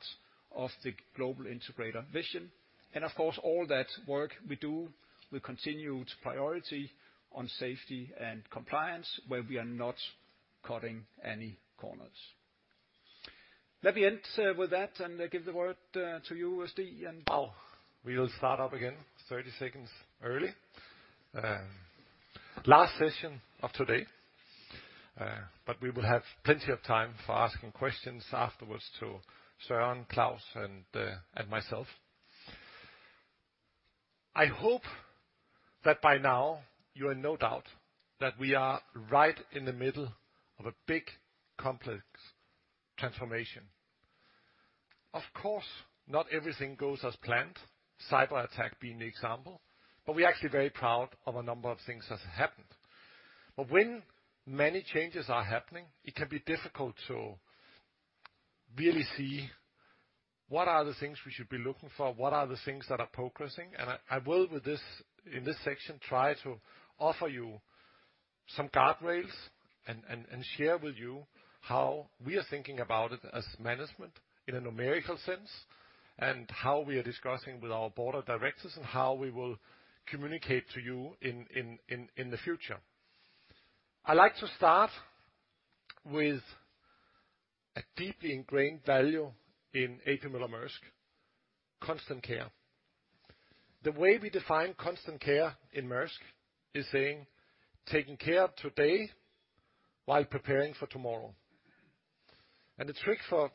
of the global integrator vision. Of course, all that work we do with continued priority on safety and compliance, where we are not cutting any corners. Let me end with that and give the word to you, Stig. Wow, we'll start up again 30 seconds early. Last session of today, but we will have plenty of time for asking questions afterwards to Søren, Claus, and myself. I hope that by now you are in no doubt that we are right in the middle of a big, complex transformation. Of course, not everything goes as planned, cyberattack being the example, but we're actually very proud of a number of things that have happened. When many changes are happening, it can be difficult to really see what are the things we should be looking for, what are the things that are progressing. I will, with this, in this section, try to offer you some guardrails and share with you how we are thinking about it as management in a numerical sense, and how we are discussing with our board of directors, and how we will communicate to you in the future. I like to start with a deeply ingrained value in A.P. Moller - Maersk, constant care. The way we define Constant Care in Maersk is saying, taking care of today while preparing for tomorrow. The trick for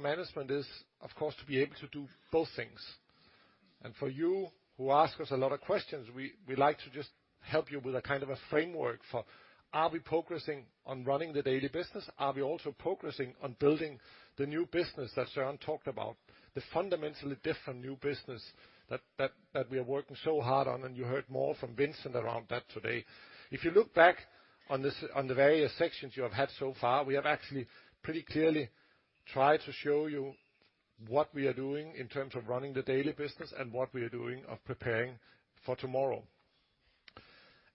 management is, of course, to be able to do both things. For you who ask us a lot of questions, we like to just help you with a kind of a framework for are we progressing on running the daily business? Are we also progressing on building the new business that Søren talked about, the fundamentally different new business that we are working so hard on? You heard more from Vincent around that today. If you look back on this, on the various sections you have had so far, we have actually pretty clearly tried to show you what we are doing in terms of running the daily business and what we are doing of preparing for tomorrow.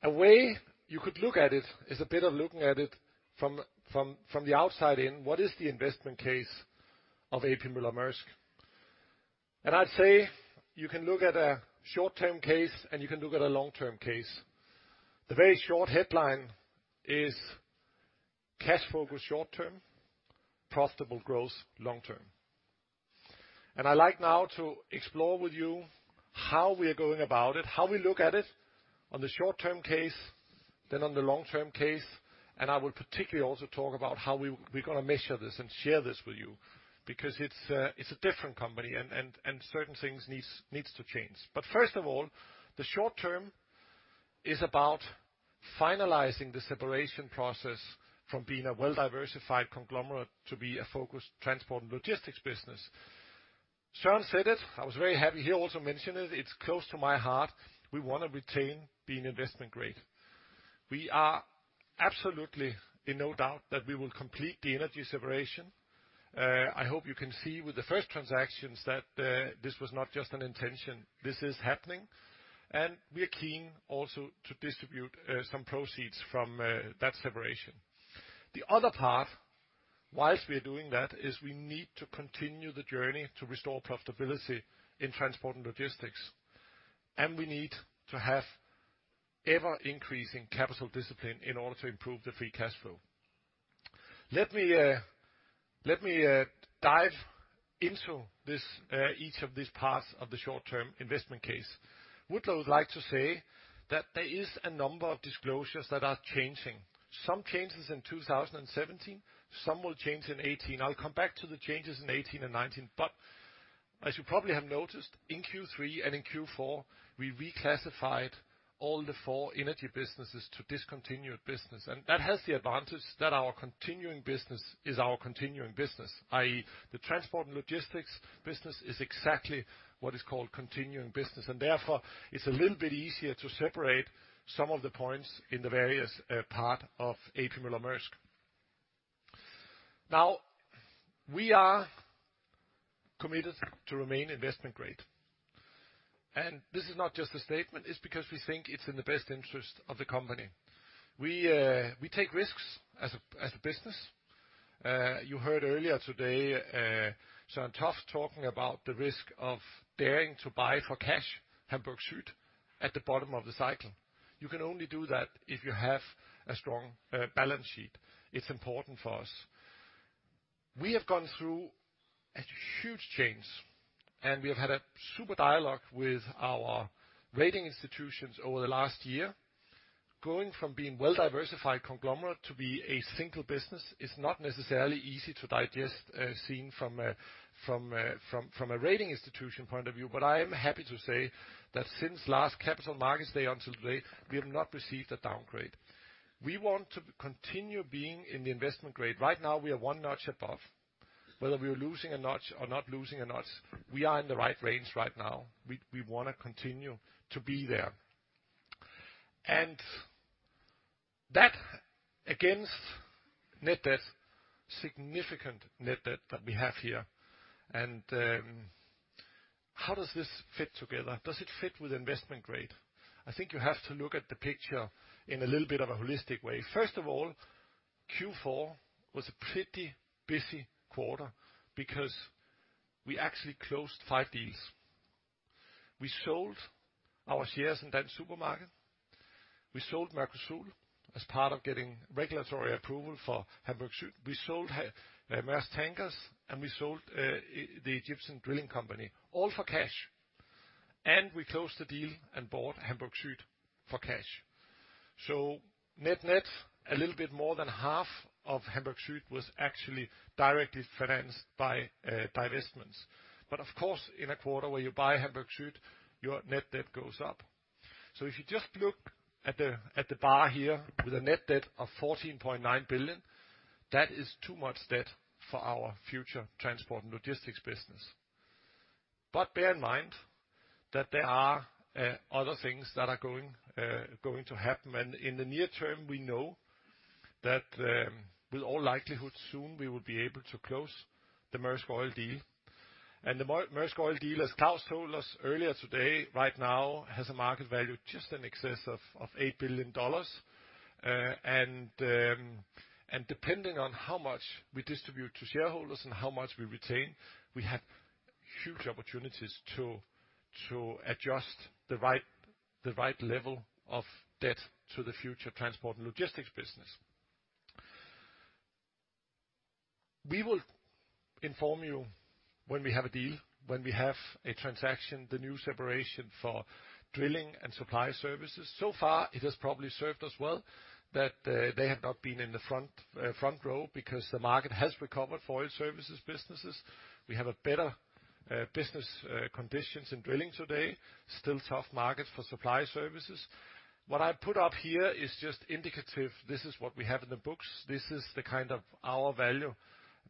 A way you could look at it is a bit of looking at it from the outside in. What is the investment case of A.P. Moller - Maersk? I'd say you can look at a short-term case, and you can look at a long-term case. The very short headline is cash focus short-term, profitable growth long-term. I like now to explore with you how we are going about it, how we look at it on the short-term case, then on the long-term case, and I will particularly also talk about how we're gonna measure this and share this with you, because it's a different company, and certain things needs to change. First of all, the short term is about finalizing the separation process from being a well-diversified conglomerate to be a focused transport and logistics business. Søren said it. I was very happy he also mentioned it. It's close to my heart. We want to retain being investment grade. We are absolutely in no doubt that we will complete the energy separation. I hope you can see with the first transactions that, this was not just an intention, this is happening, and we are keen also to distribute, some proceeds from, that separation. The other part, whilst we are doing that, is we need to continue the journey to restore profitability in transport and logistics, and we need to have ever increasing capital discipline in order to improve the free cash flow. Let me dive into this, each of these parts of the short-term investment case. Would, though, like to say that there is a number of disclosures that are changing. Some changes in 2017, some will change in 2018. I'll come back to the changes in 2018 and 2019, but as you probably have noticed, in Q3 and in Q4, we reclassified all the four energy businesses to discontinued business, and that has the advantage that our continuing business is our continuing business, i.e. the transport and logistics business is exactly what is called continuing business. Therefore, it's a little bit easier to separate some of the points in the various part of A.P. Moller - Maersk. Now, we are committed to remain investment grade. This is not just a statement, it's because we think it's in the best interest of the company. We take risks as a business. You heard earlier today, Søren Toft talking about the risk of daring to buy for cash Hamburg Süd at the bottom of the cycle. You can only do that if you have a strong balance sheet. It's important for us. We have gone through a huge change, and we have had a super dialogue with our rating institutions over the last year. Going from being well-diversified conglomerate to be a single business is not necessarily easy to digest, seen from a rating institution point of view. I am happy to say that since last Capital Markets Day until today, we have not received a downgrade. We want to continue being in the investment grade. Right now, we are one notch above. Whether we are losing a notch or not losing a notch, we are in the right range right now. We wanna continue to be there. That against net debt, significant net debt that we have here, and how does this fit together? Does it fit with investment grade? I think you have to look at the picture in a little bit of a holistic way. First of all, Q4 was a pretty busy quarter because we actually closed five deals. We sold our shares in Dansk Supermarked. We sold Maersk Oil as part of getting regulatory approval for Hamburg Süd. We sold Maersk Tankers, and we sold the Egyptian Drilling Company, all for cash. We closed the deal and bought Hamburg Süd for cash. Net-net, a little bit more than half of Hamburg Süd was actually directly financed by divestments. Of course, in a quarter where you buy Hamburg Süd, your net debt goes up. If you just look at the bar here, with a net debt of $14.9 billion, that is too much debt for our future transport and logistics business. Bear in mind that there are other things that are going to happen. In the near term, we know that, in all likelihood, soon we will be able to close the Maersk Oil deal. The Maersk Oil deal, as Claus told us earlier today, right now has a market value just in excess of $8 billion. Depending on how much we distribute to shareholders and how much we retain, we have huge opportunities to adjust the right level of debt to the future transport and logistics business. We will inform you when we have a deal, when we have a transaction, the new separation for drilling and supply services. It has probably served us well that they have not been in the front row because the market has recovered for oil services businesses. We have a better business conditions in drilling today, still tough market for supply services. What I put up here is just indicative. This is what we have in the books. This is the kind of our value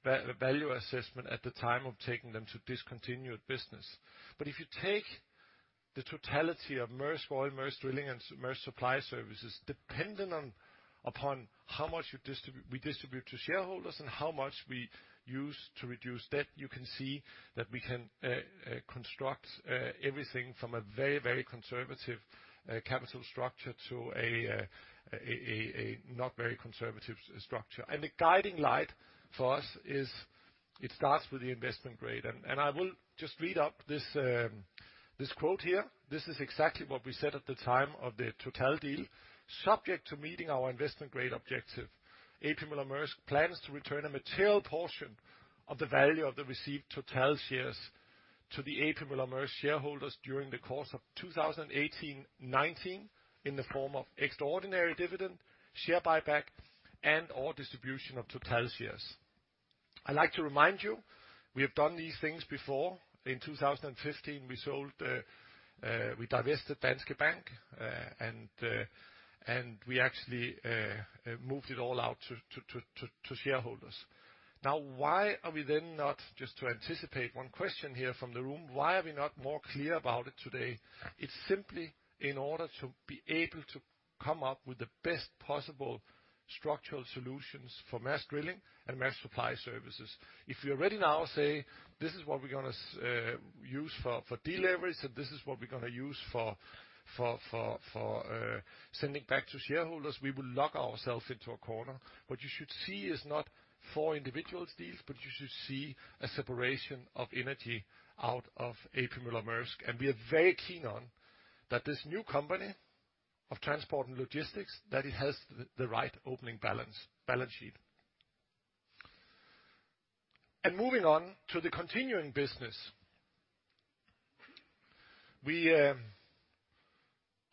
assessment at the time of taking them to discontinued business. If you take the totality of Maersk Oil, Maersk Drilling, and Maersk Supply Service, depending on how much you distribute, we distribute to shareholders and how much we use to reduce debt, you can see that we can construct everything from a very conservative capital structure to a not very conservative structure. The guiding light for us is it starts with the investment grade. I will just read out this quote here. This is exactly what we said at the time of the Total deal. Subject to meeting our investment grade objective, A.P. Moller-Maersk plans to return a material portion of the value of the received Total shares to the A.P. Moller-Maersk shareholders during the course of 2018, 2019 in the form of extraordinary dividend, share buyback, and/or distribution of Total shares. I like to remind you, we have done these things before. In 2015, we sold, we divested Danske Bank, and we actually moved it all out to shareholders. Now, why are we then not, just to anticipate one question here from the room, why are we not more clear about it today? It's simply in order to be able to come up with the best possible structural solutions for Maersk Drilling and Maersk Supply Service. If we already now say, "This is what we're gonna use for sending back to shareholders," we will lock ourselves into a corner. What you should see is not four individual deals, but you should see a separation of energy out of A.P. Moller - Maersk. We are very keen on that this new company of transport and logistics, that it has the right opening balance sheet. Moving on to the continuing business. We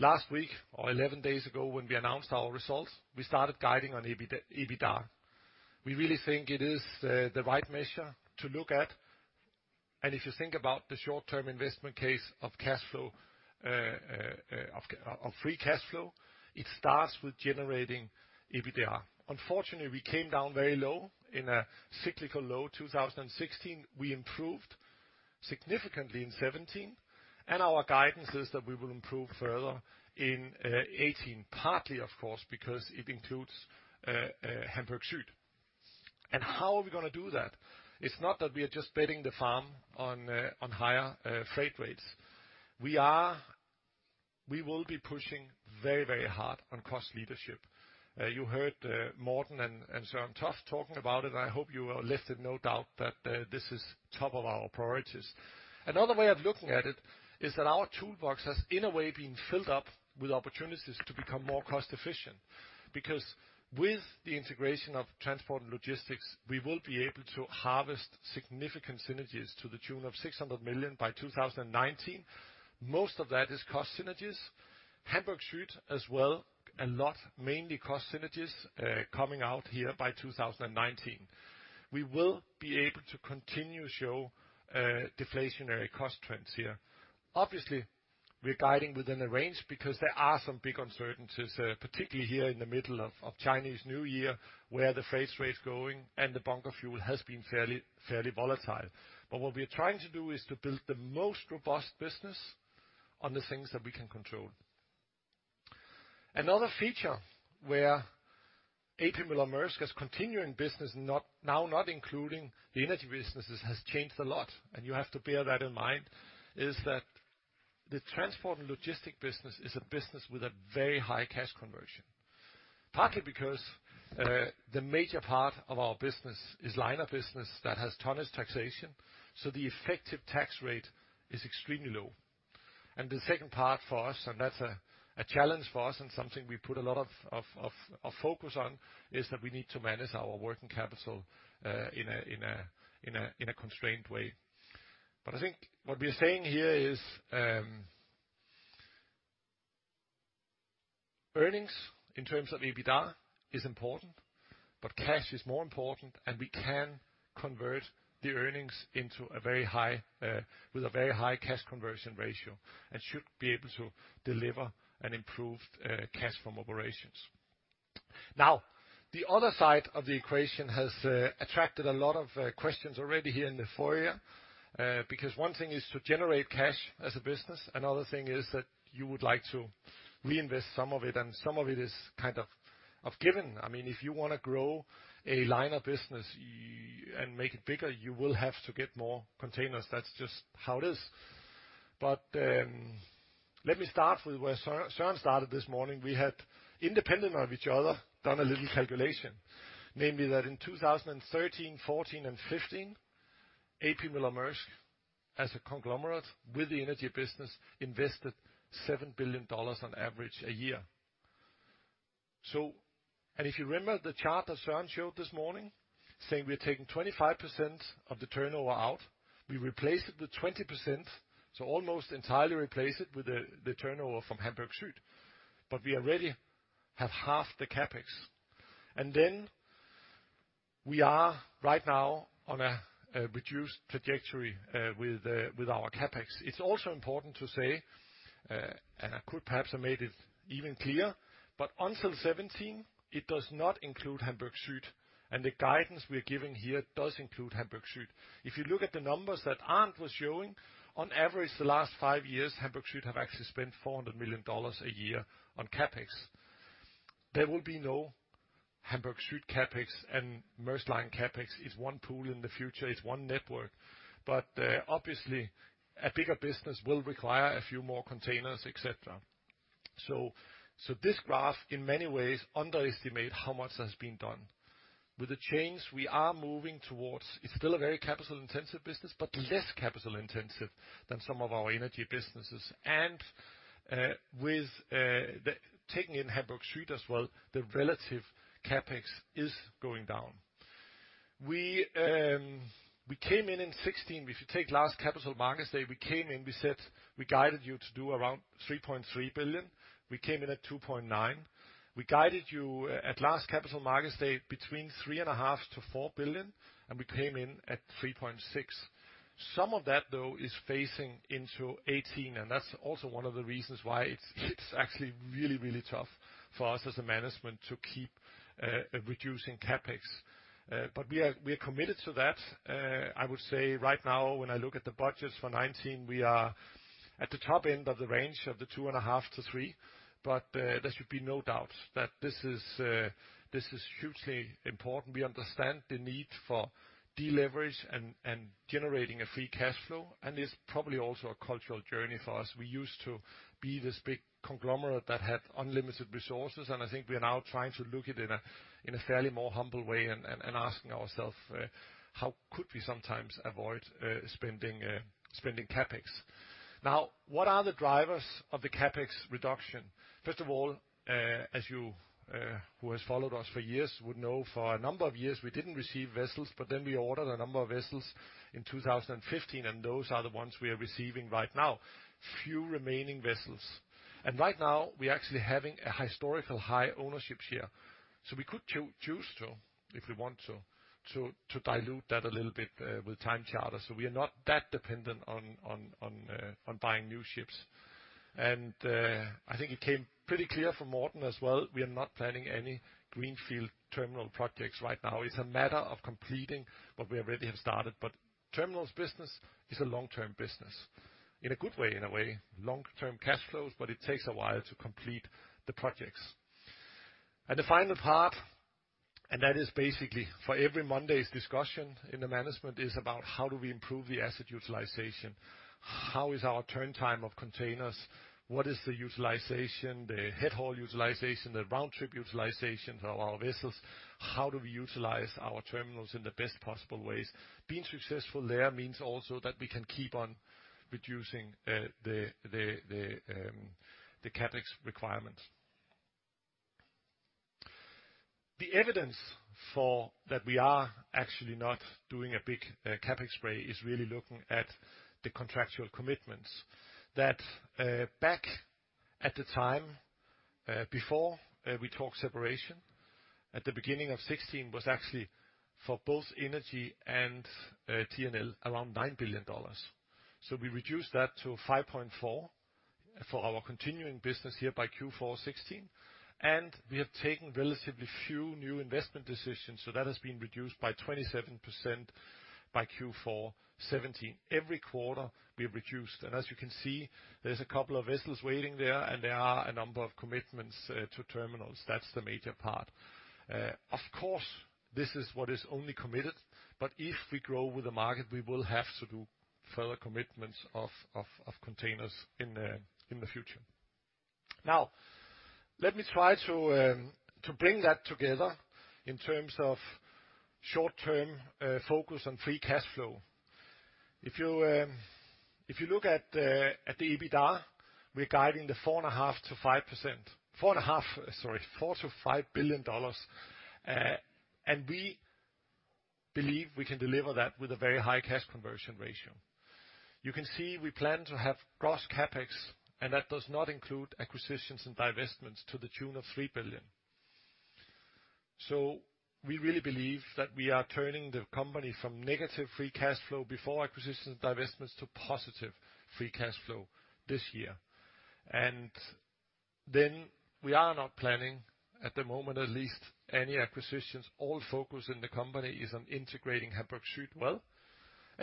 last week or 11 days ago when we announced our results, we started guiding on EBITDA. We really think it is the right measure to look at. If you think about the short-term investment case of free cash flow, it starts with generating EBITDA. Unfortunately, we came down very low in a cyclical low 2016. We improved significantly in 2017, and our guidance is that we will improve further in 2018, partly of course, because it includes Hamburg Süd. How are we gonna do that? It's not that we are just betting the farm on higher freight rates. We will be pushing very, very hard on cost leadership. You heard Morten and Søren Toft talking about it. I hope you are left in no doubt that this is top of our priorities. Another way of looking at it is that our toolbox has, in a way, been filled up with opportunities to become more cost efficient. Because with the integration of transport and logistics, we will be able to harvest significant synergies to the tune of $600 million by 2019. Most of that is cost synergies. Hamburg Süd as well, a lot mainly cost synergies, coming out here by 2019. We will be able to continue to show deflationary cost trends here. Obviously, we're guiding within a range because there are some big uncertainties, particularly here in the middle of Chinese New Year, where the freight rate's going and the bunker fuel has been fairly volatile. What we're trying to do is to build the most robust business on the things that we can control. Another feature where A.P. Moller - Maersk is continuing business now not including the energy businesses, has changed a lot, and you have to bear that in mind, is that the transport and logistics business is a business with a very high cash conversion. Partly because the major part of our business is liner business that has tonnage taxation, so the effective tax rate is extremely low. The second part for us, that's a challenge for us and something we put a lot of focus on, is that we need to manage our working capital in a constrained way. I think what we're saying here is earnings in terms of EBITDA is important, but cash is more important, and we can convert the earnings into a very high cash conversion ratio and should be able to deliver an improved cash from operations. Now, the other side of the equation has attracted a lot of questions already here in the foyer. Because one thing is to generate cash as a business, another thing is that you would like to reinvest some of it, and some of it is kind of given. I mean, if you wanna grow a line of business and make it bigger, you will have to get more containers. That's just how it is. Let me start with where Søren started this morning. We had, independent of each other, done a little calculation, namely that in 2013, 2014, and 2015, A.P. Moller - Maersk, as a conglomerate with the energy business, invested $7 billion on average a year. If you remember the chart that Søren showed this morning, saying we're taking 25% of the turnover out, we replaced it with 20%, so almost entirely replace it with the turnover from Hamburg Süd, but we already have half the CapEx. Then we are right now on a reduced trajectory with our CapEx. It's also important to say, and I could perhaps have made it even clearer, but until 2017, it does not include Hamburg Süd, and the guidance we're giving here does include Hamburg Süd. If you look at the numbers that Arnt was showing, on average the last five years, Hamburg Süd have actually spent $400 million a year on CapEx. There will be no Hamburg Süd CapEx, and Maersk Line CapEx is one pool in the future. It's one network. Obviously, a bigger business will require a few more containers, et cetera. So this graph, in many ways, underestimate how much has been done. With the change we are moving towards, it's still a very capital-intensive business, but less capital-intensive than some of our energy businesses. With the taking in Hamburg Süd as well, the relative CapEx is going down. We came in in 2016. If you take last capital markets day, we came in, we said we guided you to do around $3.3 billion. We came in at $2.9 billion. We guided you at last capital markets day between $3.5 billion-$4 billion, and we came in at $3.6 billion. Some of that, though, is phasing into 2018, and that's also one of the reasons why it's actually really tough for us as a management to keep reducing CapEx. We are committed to that. I would say right now, when I look at the budgets for 2019, we are at the top end of the range of the $2.5 billion-$3 billion. There should be no doubt that this is hugely important. We understand the need for deleverage and generating a free cash flow, and it's probably also a cultural journey for us. We used to be this big conglomerate that had unlimited resources, and I think we are now trying to look at it in a fairly more humble way and asking ourselves how could we sometimes avoid spending CapEx. Now, what are the drivers of the CapEx reduction? First of all, as you who has followed us for years would know, for a number of years, we didn't receive vessels, but then we ordered a number of vessels in 2015, and those are the ones we are receiving right now. Few remaining vessels. Right now, we're actually having a historical high ownership share. We could choose to, if we want to dilute that a little bit with time charter, so we are not that dependent on buying new ships. I think it came pretty clear from Morten as well, we are not planning any greenfield terminal projects right now. It's a matter of completing what we already have started. Terminals business is a long-term business. In a good way, in a way, long-term cash flows, but it takes a while to complete the projects. The final part, that is basically for every Monday's discussion in the management, is about how do we improve the asset utilization? How is our turn time of containers? What is the utilization, the head haul utilization, the round trip utilization of our vessels? How do we utilize our terminals in the best possible ways? Being successful there means also that we can keep on reducing the CapEx requirements. The evidence for that we are actually not doing a big CapEx spree is really looking at the contractual commitments that back. At the time before we talked separation, at the beginning of 2016 was actually for both energy and T&L, around $9 billion. We reduced that to $5.4 billion for our continuing business here by Q4 2016, and we have taken relatively few new investment decisions, so that has been reduced by 27% by Q4 2017. Every quarter, we have reduced. As you can see, there's a couple of vessels waiting there, and there are a number of commitments to terminals. That's the major part. Of course, this is what is only committed, but if we grow with the market, we will have to do further commitments of containers in the future. Now, let me try to bring that together in terms of short-term focus on free cash flow. If you look at the EBITDA, we're guiding $4 billion-$5 billion. And we believe we can deliver that with a very high cash conversion ratio. You can see we plan to have gross CapEx, and that does not include acquisitions and divestments to the tune of $3 billion. We really believe that we are turning the company from negative free cash flow before acquisitions and divestments to positive free cash flow this year. We are not planning, at the moment at least, any acquisitions. All focus in the company is on integrating Hamburg Süd well.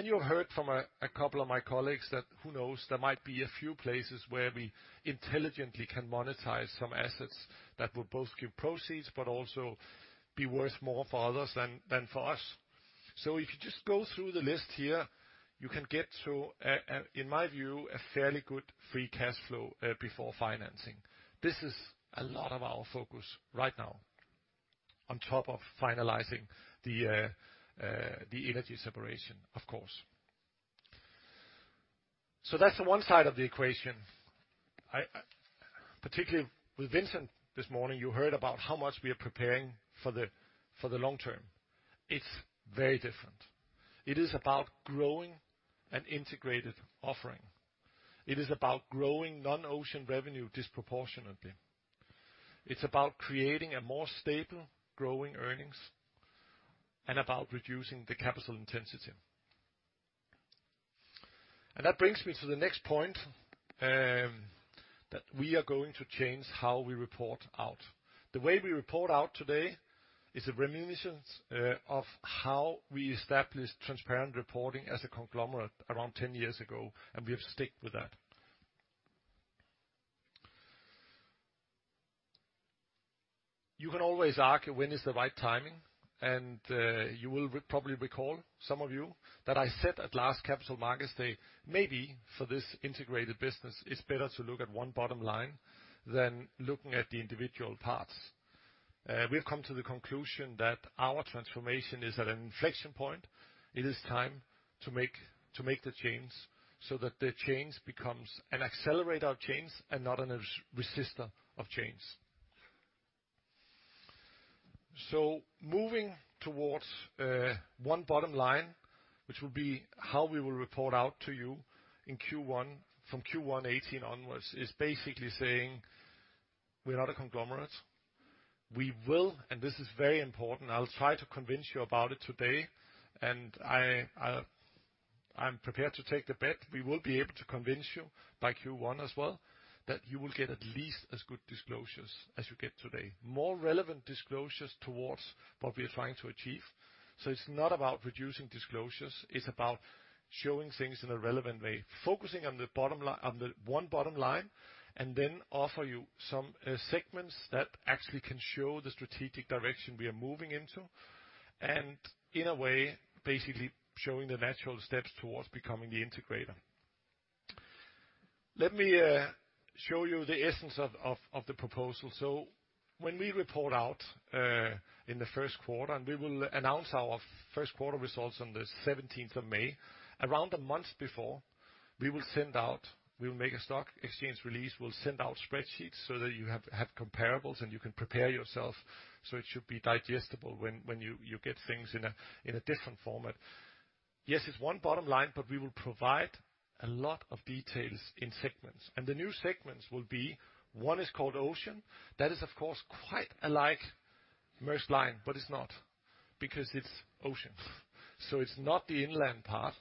You have heard from a couple of my colleagues that, who knows, there might be a few places where we intelligently can monetize some assets that will both give proceeds, but also be worth more for others than for us. If you just go through the list here, you can get to, in my view, a fairly good free cash flow before financing. This is a lot of our focus right now, on top of finalizing the energy separation, of course. That's the one side of the equation. I particularly with Vincent this morning, you heard about how much we are preparing for the long term. It's very different. It is about growing an integrated offering. It is about growing non-ocean revenue disproportionately. It's about creating a more stable growing earnings and about reducing the capital intensity. That brings me to the next point, that we are going to change how we report out. The way we report out today is reminiscent of how we established transparent reporting as a conglomerate around 10 years ago, and we have stuck with that. You can always argue when is the right timing, and, you will probably recall, some of you, that I said at last Capital Markets Day, maybe for this integrated business, it's better to look at one bottom line than looking at the individual parts. We have come to the conclusion that our transformation is at an inflection point. It is time to make the change so that the change becomes an accelerator of change and not a resistor of change. Moving towards one bottom line, which will be how we will report out to you in Q1, from Q1 2018 onwards, is basically saying we're not a conglomerate. We will, and this is very important, I'll try to convince you about it today, and I'll, I'm prepared to take the bet, we will be able to convince you by Q1 as well, that you will get at least as good disclosures as you get today, more relevant disclosures towards what we're trying to achieve. It's not about reducing disclosures, it's about showing things in a relevant way, focusing on the bottom line, on the one bottom line, and then offer you some segments that actually can show the strategic direction we are moving into, and in a way, basically showing the natural steps towards becoming the integrator. Let me show you the essence of the proposal. When we report out in the first quarter, and we will announce our first quarter results on the seventeenth of May. Around a month before, we will send out, we will make a stock exchange release. We'll send out spreadsheets so that you have comparables, and you can prepare yourself, so it should be digestible when you get things in a different format. Yes, it's one bottom line, but we will provide a lot of details in segments. The new segments will be, one is called Ocean. That is, of course, quite a lot like Maersk Line, but it's not, because it's Ocean. It's not the inland part,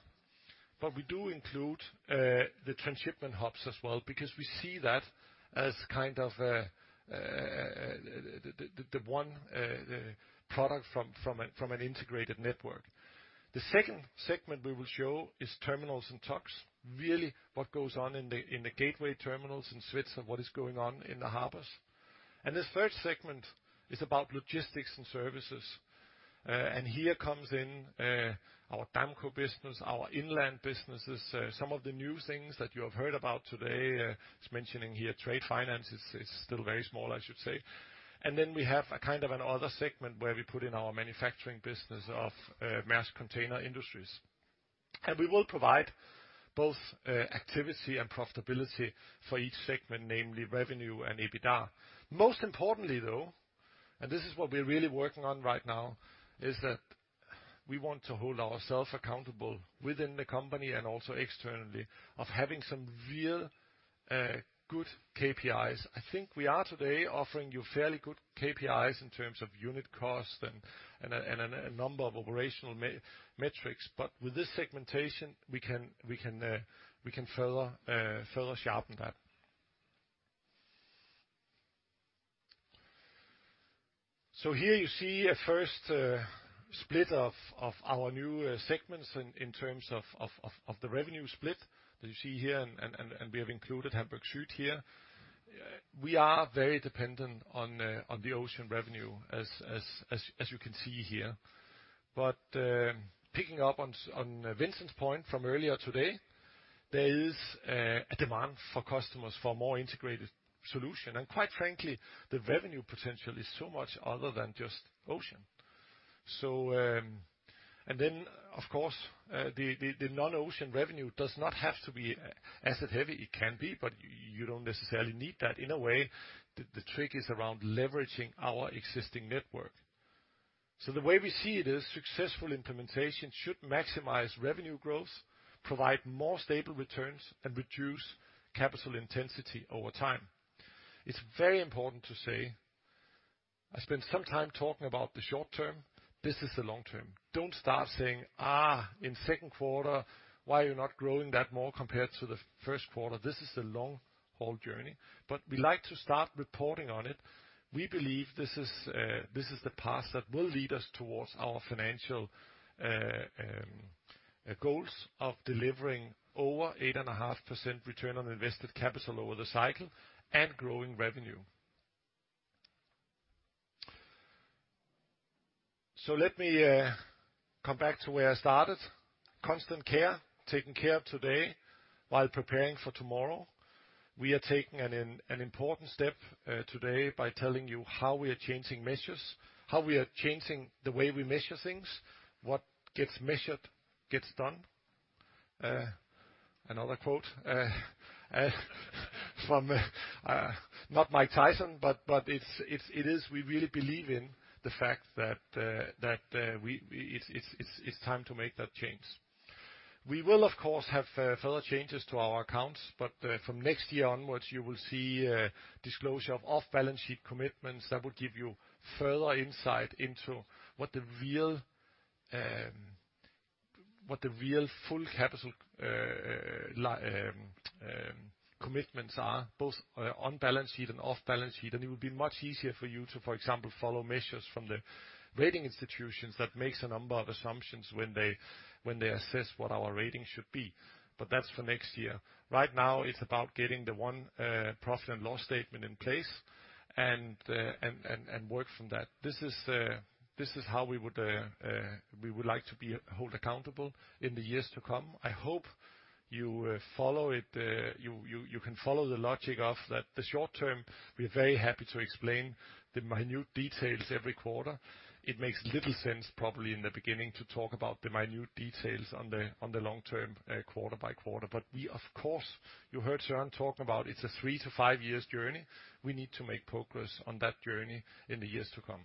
but we do include the transshipment hubs as well, because we see that as kind of the one product from an integrated network. The second segment we will show is terminals and towage, really what goes on in the gateway terminals in the world, what is going on in the harbors. The third segment is about logistics and services. Here comes in our Damco business, our inland businesses, some of the new things that you have heard about today. Just mentioning here, trade finance is still very small, I should say. Then we have a kind of another segment where we put in our manufacturing business of Maersk Container Industry. We will provide both activity and profitability for each segment, namely revenue and EBITDA. Most importantly, though, and this is what we're really working on right now, is that we want to hold ourselves accountable within the company and also externally of having some real good KPIs. I think we are today offering you fairly good KPIs in terms of unit costs and a number of operational metrics, but with this segmentation, we can further sharpen that. Here you see a first split of our new segments in terms of the revenue split that you see here and we have included Hamburg Süd here. We are very dependent on the Ocean revenue as you can see here. Picking up on Vincent's point from earlier today, there is a demand for customers for more integrated solution. Quite frankly, the revenue potential is so much other than just Ocean. Of course, the non-Ocean revenue does not have to be asset heavy. It can be, but you don't necessarily need that. In a way, the trick is around leveraging our existing network. The way we see it is successful implementation should maximize revenue growth, provide more stable returns, and reduce capital intensity over time. It's very important to say, I spent some time talking about the short term. This is the long term. Don't start saying, "in second quarter, why are you not growing that more compared to the first quarter?" This is a long-haul journey, but we like to start reporting on it. We believe this is the path that will lead us towards our financial goals of delivering over 8.5% return on invested capital over the cycle and growing revenue. Let me come back to where I started. Constant care, taking care of today while preparing for tomorrow. We are taking an important step today by telling you how we are changing measures, how we are changing the way we measure things. What gets measured gets done. Another quote from not Mike Tyson, but it is we really believe in the fact that it's time to make that change. We will, of course, have further changes to our accounts, but from next year onwards, you will see disclosure of off-balance-sheet commitments that will give you further insight into what the real full capital commitments are, both on balance sheet and off balance sheet. It will be much easier for you to, for example, follow measures from the rating institutions that makes a number of assumptions when they assess what our ratings should be. But that's for next year. Right now, it's about getting the one profit and loss statement in place and work from that. This is how we would like to be held accountable in the years to come. I hope you follow it. You can follow the logic of that. The short term, we are very happy to explain the minute details every quarter. It makes little sense probably in the beginning to talk about the minute details on the long term quarter by quarter. We, of course, you heard Søren talk about it's a three to five years journey. We need to make progress on that journey in the years to come.